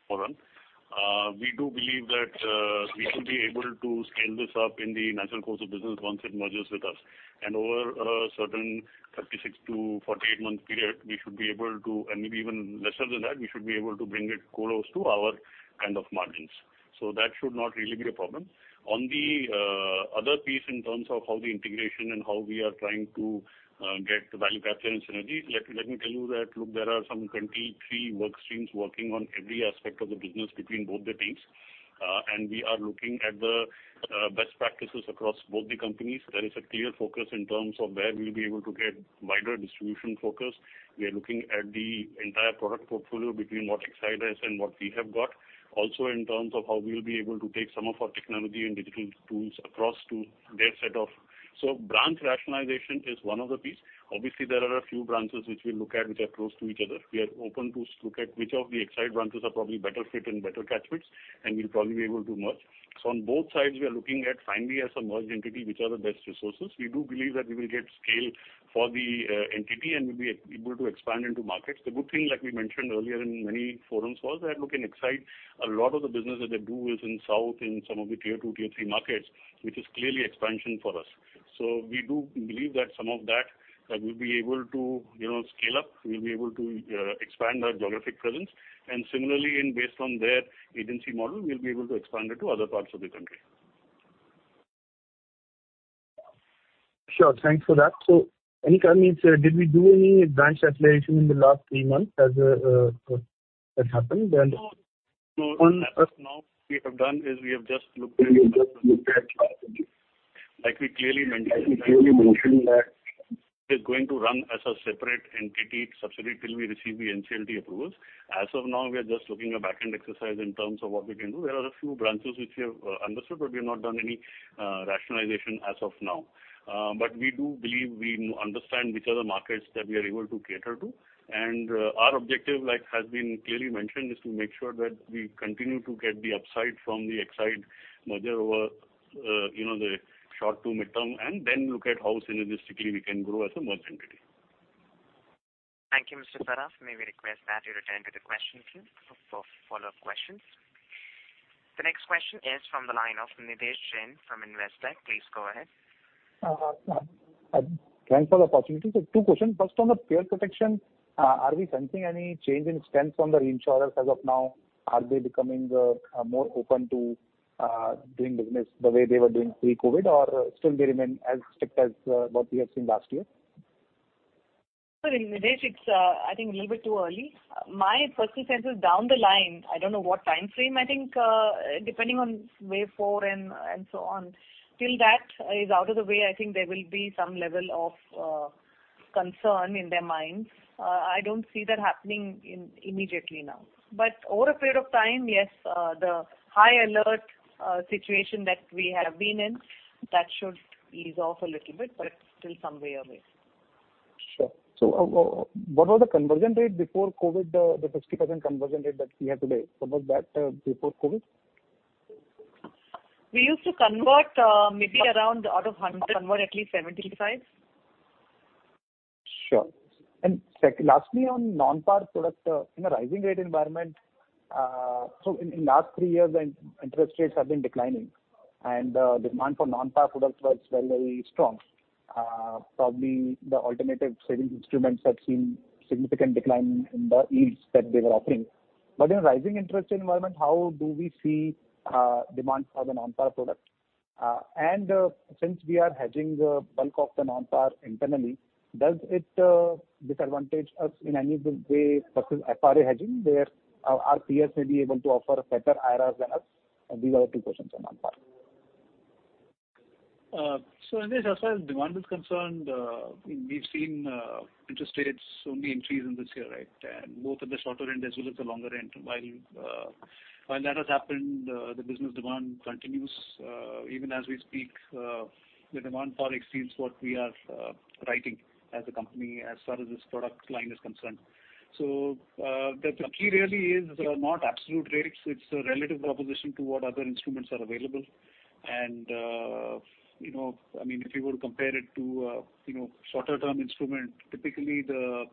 front. We do believe that we should be able to scale this up in the natural course of business once it merges with us. Over a certain 36- to 48-month period, we should be able to, and maybe even lesser than that, we should be able to bring it close to our kind of margins. So that should not really be a problem. On the other piece in terms of how the integration and how we are trying to get value capture and synergies, let me tell you that, look, there are some 23 work streams working on every aspect of the business between both the teams. We are looking at the best practices across both the companies. There is a clear focus in terms of where we'll be able to get wider distribution focus. We are looking at the entire product portfolio between what Exide has and what we have got. Also in terms of how we'll be able to take some of our technology and digital tools across to their set of. Branch rationalization is one of the piece. Obviously, there are a few branches which we look at are close to each other. We are open to look at which of the Exide branches are probably better fit and better catchments, and we'll probably be able to merge. On both sides, we are looking at finally as a merged entity which are the best resources. We do believe that we will get scale for the entity and we'll be able to expand into markets. The good thing, like we mentioned earlier in many forums, was that look, in Exide, a lot of the business that they do is in the South, in some of the tier two, tier three markets, which is clearly expansion for us. We do believe that some of that we'll be able to, you know, scale up, expand our geographic presence. Similarly, based on their agency model, we'll be able to expand it to other parts of the country. Sure. Thanks for that. Did we do any branch rationalization in the last three months, or has that happened? No. No. As of now, we have just looked at. Like we clearly mentioned, like we mentioned that it is going to run as a separate entity subsidiary till we receive the NCLT approvals. As of now, we are just looking at a back-end exercise in terms of what we can do. There are a few branches which we have understood, but we have not done any rationalization as of now. But we do believe we understand which are the markets that we are able to cater to. Our objective, like has been clearly mentioned, is to make sure that we continue to get the upside from the Exide merger over, you know, the short to midterm, and then look at how synergistically we can grow as a merged entity. Thank you, Mr. Saraf. May we request that you return to the question queue for follow-up questions. The next question is from the line of Nidhesh Jain from Investec. Please go ahead. Thanks for the opportunity. Two questions. First, on the reinsurance, are we sensing any change in stance from the reinsurers as of now? Are they becoming more open to doing business the way they were doing pre-COVID, or still they remain as strict as what we have seen last year? Mr. Nidhesh, it's a little bit too early. My personal sense is down the line, I don't know what time frame, I think, depending on wave four and so on. Till that is out of the way, I think there will be some level of concern in their minds. I don't see that happening immediately now. Over a period of time, yes, the high alert situation that we have been in, that should ease off a little bit, but it's still some way away. Sure. What was the conversion rate before COVID, the 50% conversion rate that we have today? Was that before COVID? We used to convert, maybe around out of 100, convert at least 75. Sure. Lastly, on non-par product, in a rising rate environment, in last three years when interest rates have been declining and the demand for non-par products was very, very strong, probably the alternative savings instruments have seen significant decline in the yields that they were offering. In a rising interest environment, how do we see demand for the non-par product? Since we are hedging the bulk of the non-par internally, does it disadvantage us in any way versus FRA hedging, where our peers may be able to offer better IRRs than us? These are two questions on non-par. Nidhesh as far as demand is concerned, we've seen interest rates only increase in this year, right? Both at the shorter end as well as the longer end. While that has happened, the business demand continues. Even as we speak, the demand far exceeds what we are writing as a company as far as this product line is concerned. The key really is not absolute rates, it's a relative proposition to what other instruments are available. You know, I mean, if you were to compare it to you know, shorter term instrument, typically the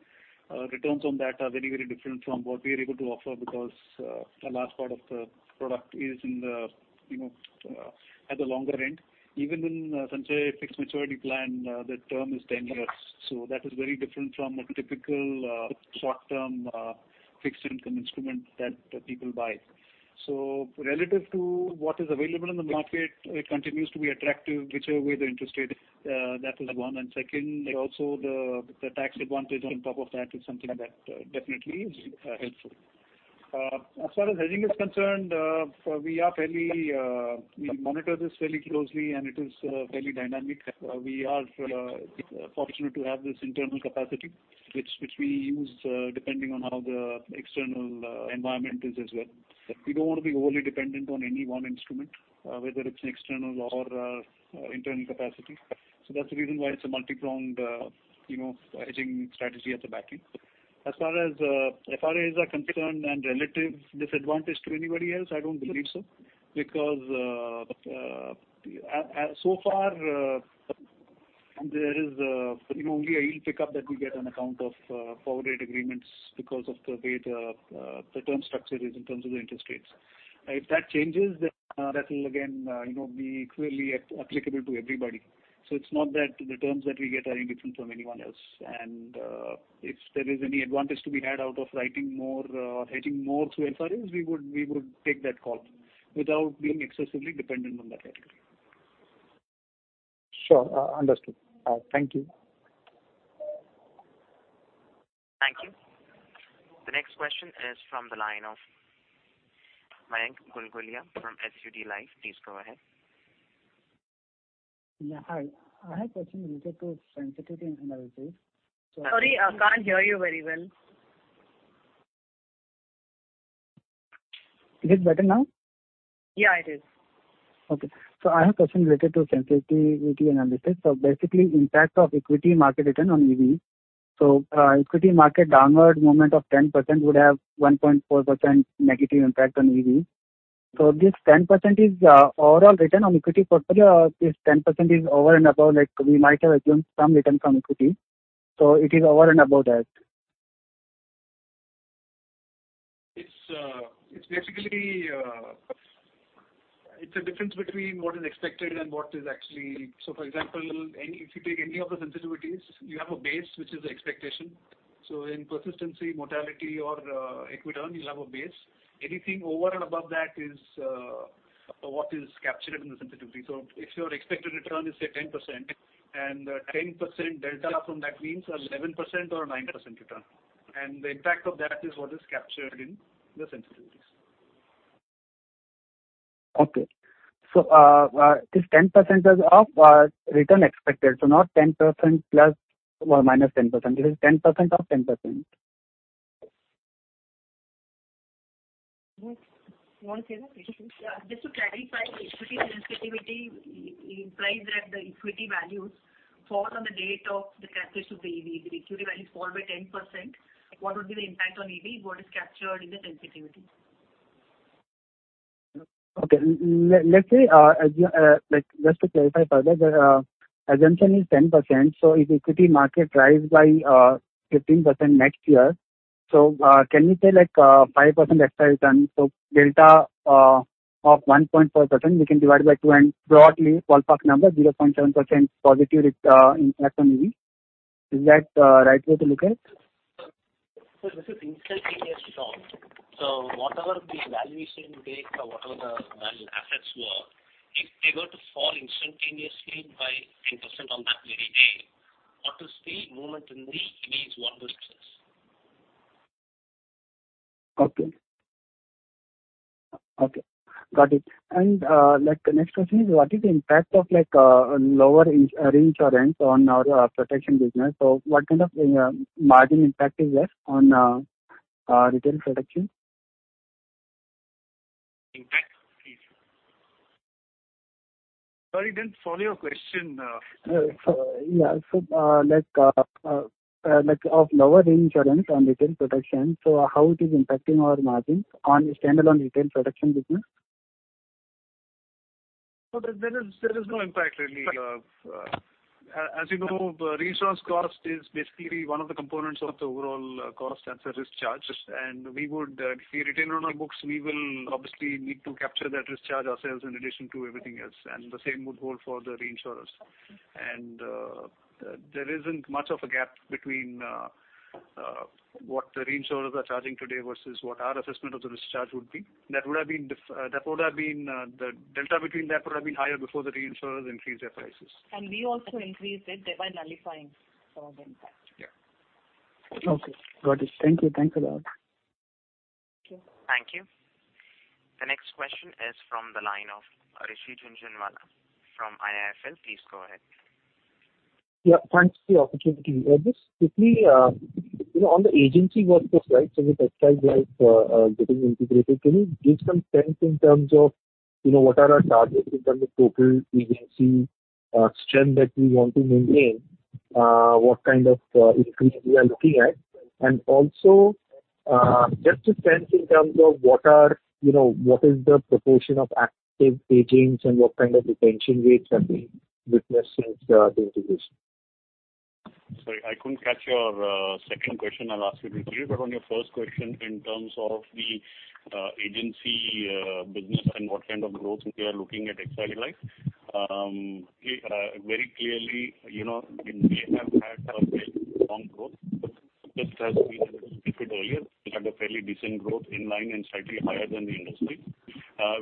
returns on that are very different from what we are able to offer because a large part of the product is in the you know, at the longer end. Even in, say, fixed maturity plan, the term is 10 years. That is very different from a typical, short-term, fixed income instrument that people buy. Relative to what is available in the market, it continues to be attractive whichever way the interest rate is. That is one. Second, also the tax advantage on top of that is something that definitely is helpful. As far as hedging is concerned, we monitor this fairly closely and it is fairly dynamic. We are fortunate to have this internal capacity which we use, depending on how the external environment is as well. We don't want to be overly dependent on any one instrument, whether it's an external or internal capacity. That's the reason why it's a multi-pronged, you know, hedging strategy at the back end. As far as FRAs are concerned and relative disadvantage to anybody else, I don't believe so because so far, you know, only a yield pickup that we get on account of forward rate agreements because of the way the term structure is in terms of the interest rates. If that changes, that will again, you know, be clearly applicable to everybody. It's not that the terms that we get are any different from anyone else. If there is any advantage to be had out of writing more, hedging more through FRAs, we would take that call without being excessively dependent on that category. Sure. Understood. Thank you. Thank you. The next question is from the line of Mayank Gulgulia from SUD Life. Please go ahead. Yeah. Hi. I have question related to sensitivity analysis. Sorry, I can't hear you very well. Is it better now? Yeah, it is. Okay. I have a question related to sensitivity analysis. Basically impact of equity market return on EV. Equity market downward movement of 10% would have 1.4% negative impact on EV. This 10% is overall return on equity portfolio. This 10% is over and above, like we might have assumed some return from equity, it is over and above that. It's basically a difference between what is expected and what is actually. For example, if you take any of the sensitivities, you have a base which is the expectation. In persistency, mortality or equity return, you have a base. Anything over and above that is what is captured in the sensitivity. If your expected return is say 10% and 10% delta from that means 11% or 9% return. The impact of that is what is captured in the sensitivities. Okay. This 10% is of return expected. Not 10% plus or minus 10%. It is 10% of 10%. You want to say that, Ritu? Yeah. Just to clarify, equity sensitivity implies that the equity values fall on the date of the calculation of the EV. The equity values fall by 10%. What would be the impact on EV? What is captured in the sensitivity? Okay. Let's say, as you like, just to clarify further, the assumption is 10%. If equity market rises by 15% next year, can we say like 5% extra return, so delta of 1.4%, we can divide by two and broadly ballpark number 0.7% positive impact on EV. Is that right way to look at it? Sir, this is instantaneous shock. Whatever the valuation date or whatever the value assets were, if they were to fall instantaneously by 10% on that very day, what is the movement in the EV is what this says. Okay, got it. Like the next question is what is the impact of like, lower reinsurance on our protection business? What kind of margin impact is there on retail protection? Impact, please. Sorry, didn't follow your question. Yeah, impact of lower reinsurance on retail protection. How is it impacting our margins on standalone retail protection business? There is no impact really. As you know, reinsurance cost is basically one of the components of the overall cost and surcharge. We would, if we retain on our books, we will obviously need to capture that surcharge ourselves in addition to everything else. The same would hold for the reinsurers. There isn't much of a gap between what the reinsurers are charging today versus what our assessment of the surcharge would be. That would have been the delta between that would have been higher before the reinsurers increased their prices. We also increased it, thereby nullifying some of the impact. Yeah. Okay. Got it. Thank you. Thanks a lot. Thank you. Thank you. The next question is from the line of Rishi Jhunjhunwala from IIFL. Please go ahead. Yeah, thanks for the opportunity. Just quickly, you know, on the agency work, those slides and the Exide Life getting integrated, can you give some sense in terms of, you know, what are our targets in terms of total agency strength that we want to maintain? What kind of increase we are looking at? Also, just a sense in terms of what are, you know, what is the proportion of active agents and what kind of retention rates have we witnessed since the integration? Sorry, I couldn't catch your second question. I'll ask you to repeat. On your first question in terms of the agency business and what kind of growth we are looking at Exide Life. Very clearly, you know, we have had a very strong growth. Just as we had discussed earlier, we had a fairly decent growth in line and slightly higher than the industry.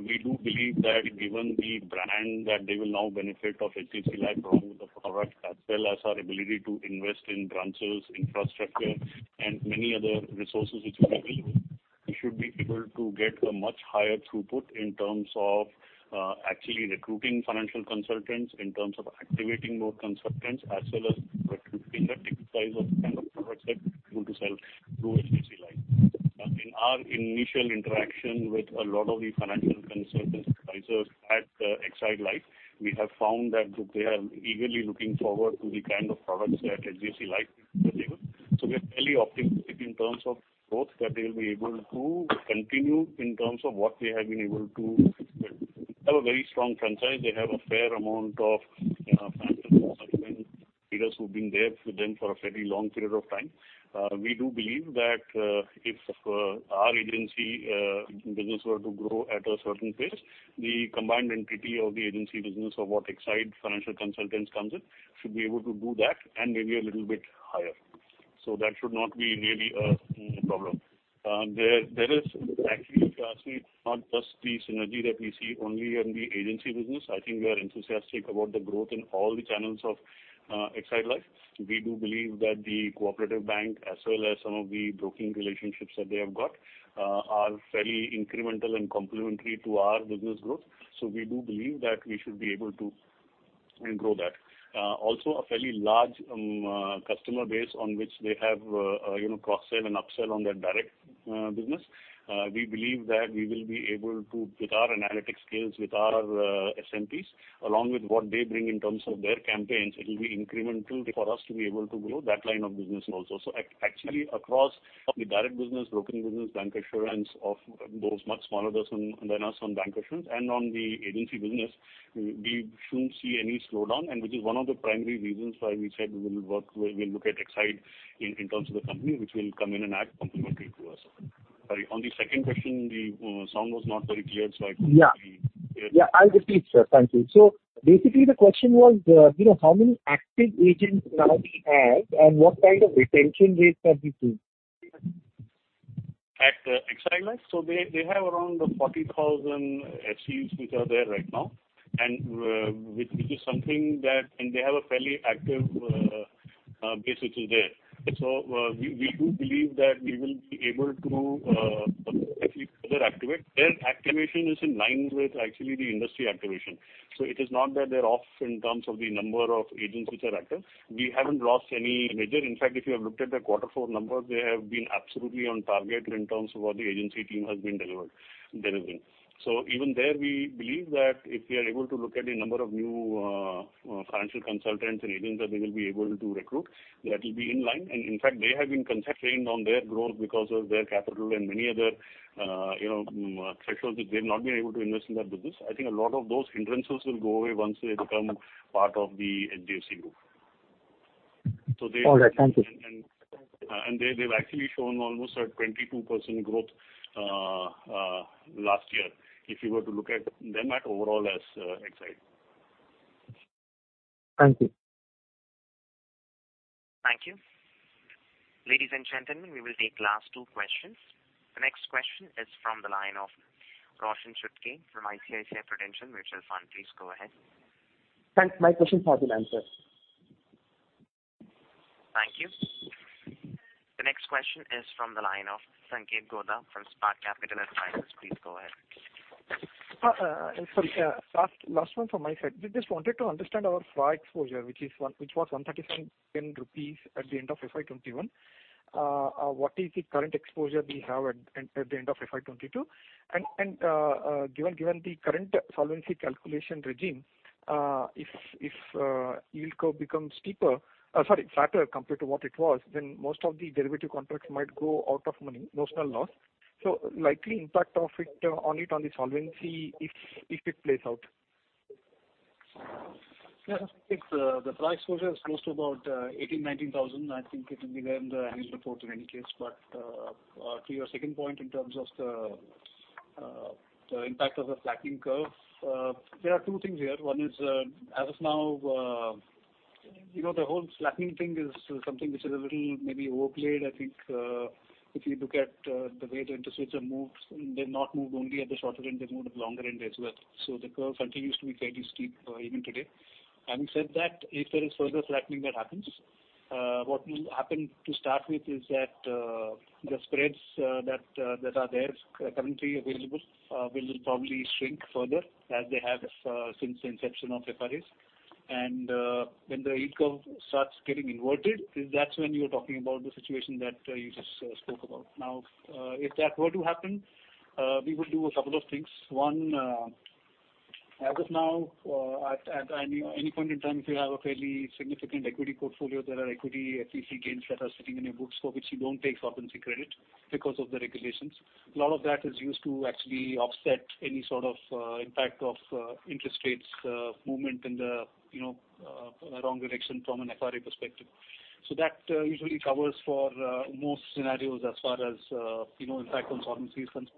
We do believe that given the brand that they will now benefit from HDFC Life along with the product as well as our ability to invest in branches, infrastructure and many other resources which we have available, we should be able to get a much higher throughput in terms of actually recruiting financial consultants, in terms of activating more consultants, as well as recruiting the right size of kind of products that we'll be able to sell through HDFC Life. In our initial interaction with a lot of the financial consultants, advisors at Exide Life, we have found that they are eagerly looking forward to the kind of products that HDFC Life will be able. We are fairly optimistic in terms of growth that they'll be able to continue in terms of what they have been able to build. They have a very strong franchise. They have a fair amount of financial consultant leaders who've been there with them for a fairly long period of time. We do believe that if our agency business were to grow at a certain pace, the combined entity of the agency business or what Exide Financial Consultants comes in should be able to do that and maybe a little bit higher. That should not be really a problem. There is actually, if you ask me, not just the synergy that we see only in the agency business. I think we are enthusiastic about the growth in all the channels of Exide Life. We do believe that the cooperative bank as well as some of the broking relationships that they have got are fairly incremental and complementary to our business growth. We believe that we should be able to grow that. Also a fairly large customer base on which they have, you know, cross-sell and upsell on their direct business. We believe that we will be able to, with our analytics skills, with our SMPs, along with what they bring in terms of their campaigns, it'll be incremental for us to be able to grow that line of business also. Actually across the direct business, brokering business, bancassurance of those much smaller than us on bancassurance and on the agency business, we shouldn't see any slowdown and which is one of the primary reasons why we said we will work, we'll look at Exide in terms of the company which will come in and add complementary to us. Sorry, on the second question, the sound was not very clear, so I couldn't really hear. Yeah. Yeah, I'll repeat, sir. Thank you. Basically, the question was, you know, how many active agents does Exide have, and what kind of retention rates are we seeing? Exide Life. They have around 40,000 FCUs which are there right now and which is something that and they have a fairly active base which is there. We do believe that we will be able to if we further activate. Their activation is in line with actually the industry activation. It is not that they're off in terms of the number of agents which are active. We haven't lost any major. In fact, if you have looked at the quarter four numbers, they have been absolutely on target in terms of what the agency team has been delivering. Even there we believe that if we are able to look at the number of new financial consultants and agents that they will be able to recruit, that will be in line. In fact, they have been constrained on their growth because of their capital and many other, you know, thresholds that they've not been able to invest in their business. I think a lot of those hindrances will go away once they become part of the HDFC Group. They- All right. Thank you. They've actually shown almost a 22% growth last year, if you were to look at them overall as Exide. Thank you. Thank you. Ladies and gentlemen, we will take last two questions. The next question is from the line of Roshan Chutkey from ICICI Prudential Mutual Fund. Please go ahead. Thanks. My question has been answered. Thank you. The next question is from the line of Sanketh Godha from Spark Capital Advisors. Please go ahead. Sorry, last one from my side. We just wanted to understand our FRA exposure, which was 137 rupees at the end of FY 2021. What is the current exposure we have at the end of FY 2022? Given the current solvency calculation regime, if yield curve becomes flatter compared to what it was, then most of the derivative contracts might go out of the money, notional loss. Likely impact of it on the solvency if it plays out. Yeah, I think the FRA exposure is close to about 18 thousand-19 thousand. I think it will be there in the annual report in any case. To your second point in terms of the impact of the flattening curve, there are two things here. One is, as of now, you know, the whole flattening thing is something which is a little maybe overplayed. I think, if you look at, the way the interest rates have moved, they've not moved only at the shorter end, they've moved at the longer end as well. The curve continues to be fairly steep even today. Having said that, if there is further flattening that happens, what will happen to start with is that, the spreads that are there currently available, will probably shrink further as they have since the inception of FRAs. When the yield curve starts getting inverted, that's when you're talking about the situation that you just spoke about. Now, if that were to happen, we would do a couple of things. One, as of now, at any point in time, if you have a fairly significant equity portfolio, there are equity FC gains that are sitting in your books for which you don't take solvency credit because of the regulations. A lot of that is used to actually offset any sort of impact of interest rates movement in the, you know, wrong direction from an FRA perspective. That usually covers for most scenarios as far as, you know, impact on solvency is concerned.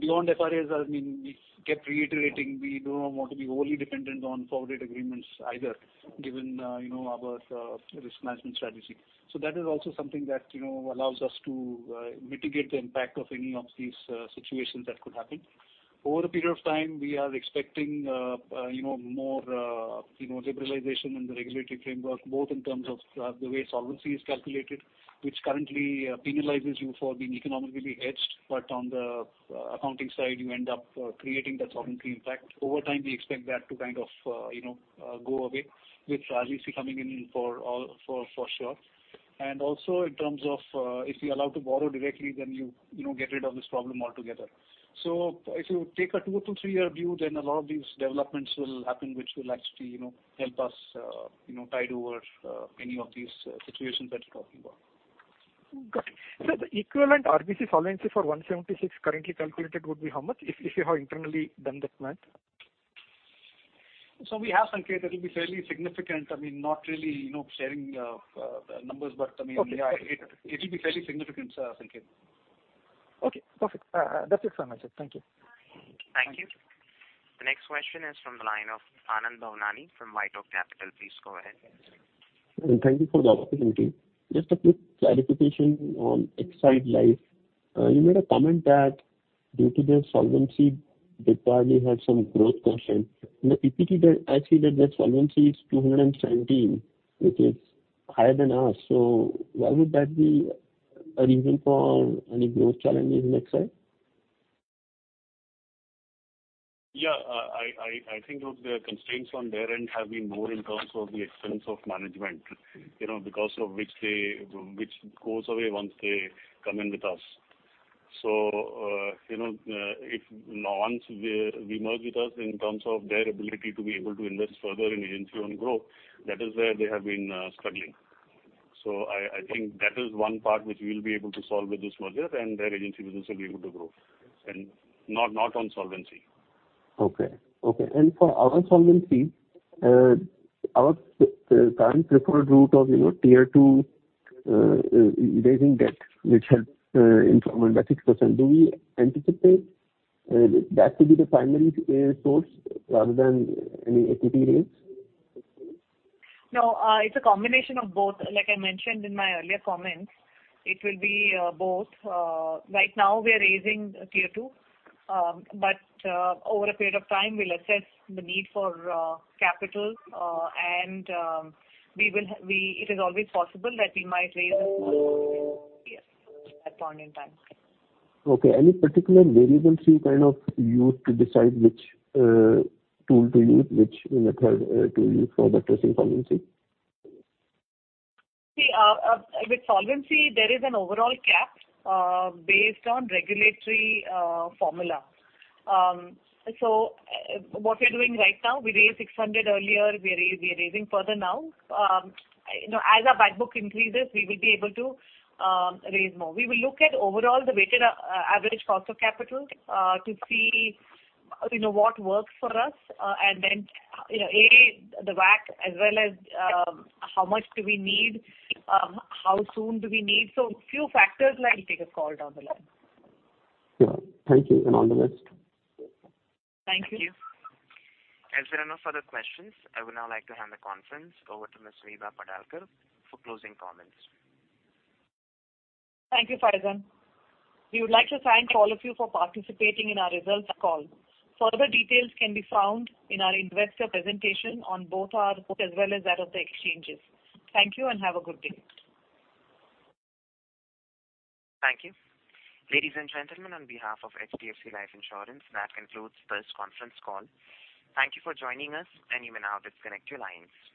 Beyond FRAs, I mean, we kept reiterating we don't want to be wholly dependent on forward rate agreements either, given, you know, our risk management strategy. That is also something that, you know, allows us to mitigate the impact of any of these situations that could happen. Over a period of time, we are expecting, you know, more, you know, liberalization in the regulatory framework, both in terms of the way solvency is calculated, which currently penalizes you for being economically hedged. On the accounting side, you end up creating that solvency impact. Over time, we expect that to kind of, you know, go away with RBC coming in for sure. Also in terms of if you're allowed to borrow directly, then you know get rid of this problem altogether. If you take a 2-3-year view, then a lot of these developments will happen which will actually, you know, help us you know tide over any of these situations that you're talking about. Got it. The equivalent RBC solvency for 176 currently calculated would be how much if you have internally done the math? We have, Sanket. It'll be fairly significant. I mean, not really, you know, sharing the numbers, but I mean- Okay. Yeah, it'll be fairly significant, sir, Sanket. Okay, perfect. That's it from my side. Thank you. Thank you. The next question is from the line of Anand Bhavnani from White Oak Capital. Please go ahead. Thank you for the opportunity. Just a quick clarification on Exide Life. You made a comment that due to their solvency, they probably have some growth question. In the PPT there, I see that their solvency is 217, which is higher than us. Why would that be a reason for any growth challenges in Exide? Yeah. I think those were constraints on their end have been more in terms of the expense of management, you know, because of which they which goes away once they come in with us. You know, if once they merge with us in terms of their ability to be able to invest further in agency and grow, that is where they have been struggling. I think that is one part which we'll be able to solve with this merger and their agency business will be able to grow and not on solvency. Okay. Our current preferred route of, you know, Tier 2 raising debt, which has improved by 6%, do we anticipate that to be the primary source rather than any equity raise? No, it's a combination of both. Like I mentioned in my earlier comments, it will be both. Right now we are raising Tier 2, but over a period of time, we'll assess the need for capital. It is always possible that we might raise at that point in time. Okay. Any particular variables you kind of use to decide which tool to use, which method to use for addressing solvency? See, with solvency, there is an overall cap based on regulatory formula. What we're doing right now, we raised 600 earlier. We are raising further now. You know, as our back book increases, we will be able to raise more. We will look at the overall weighted average cost of capital to see, you know, what works for us. Then, you know, the WACC as well as how much do we need, how soon do we need. A few factors like that we take a call down the line. Yeah. Thank you and all the best. Thank you. Thank you. As there are no further questions, I would now like to hand the conference over to Ms. Vibha Padalkar for closing comments. Thank you, Faizan. We would like to thank all of you for participating in our results call. Further details can be found in our investor presentation on both our book as well as that of the exchanges. Thank you and have a good day. Thank you. Ladies and gentlemen, on behalf of HDFC Life Insurance, that concludes this conference call. Thank you for joining us and you may now disconnect your lines.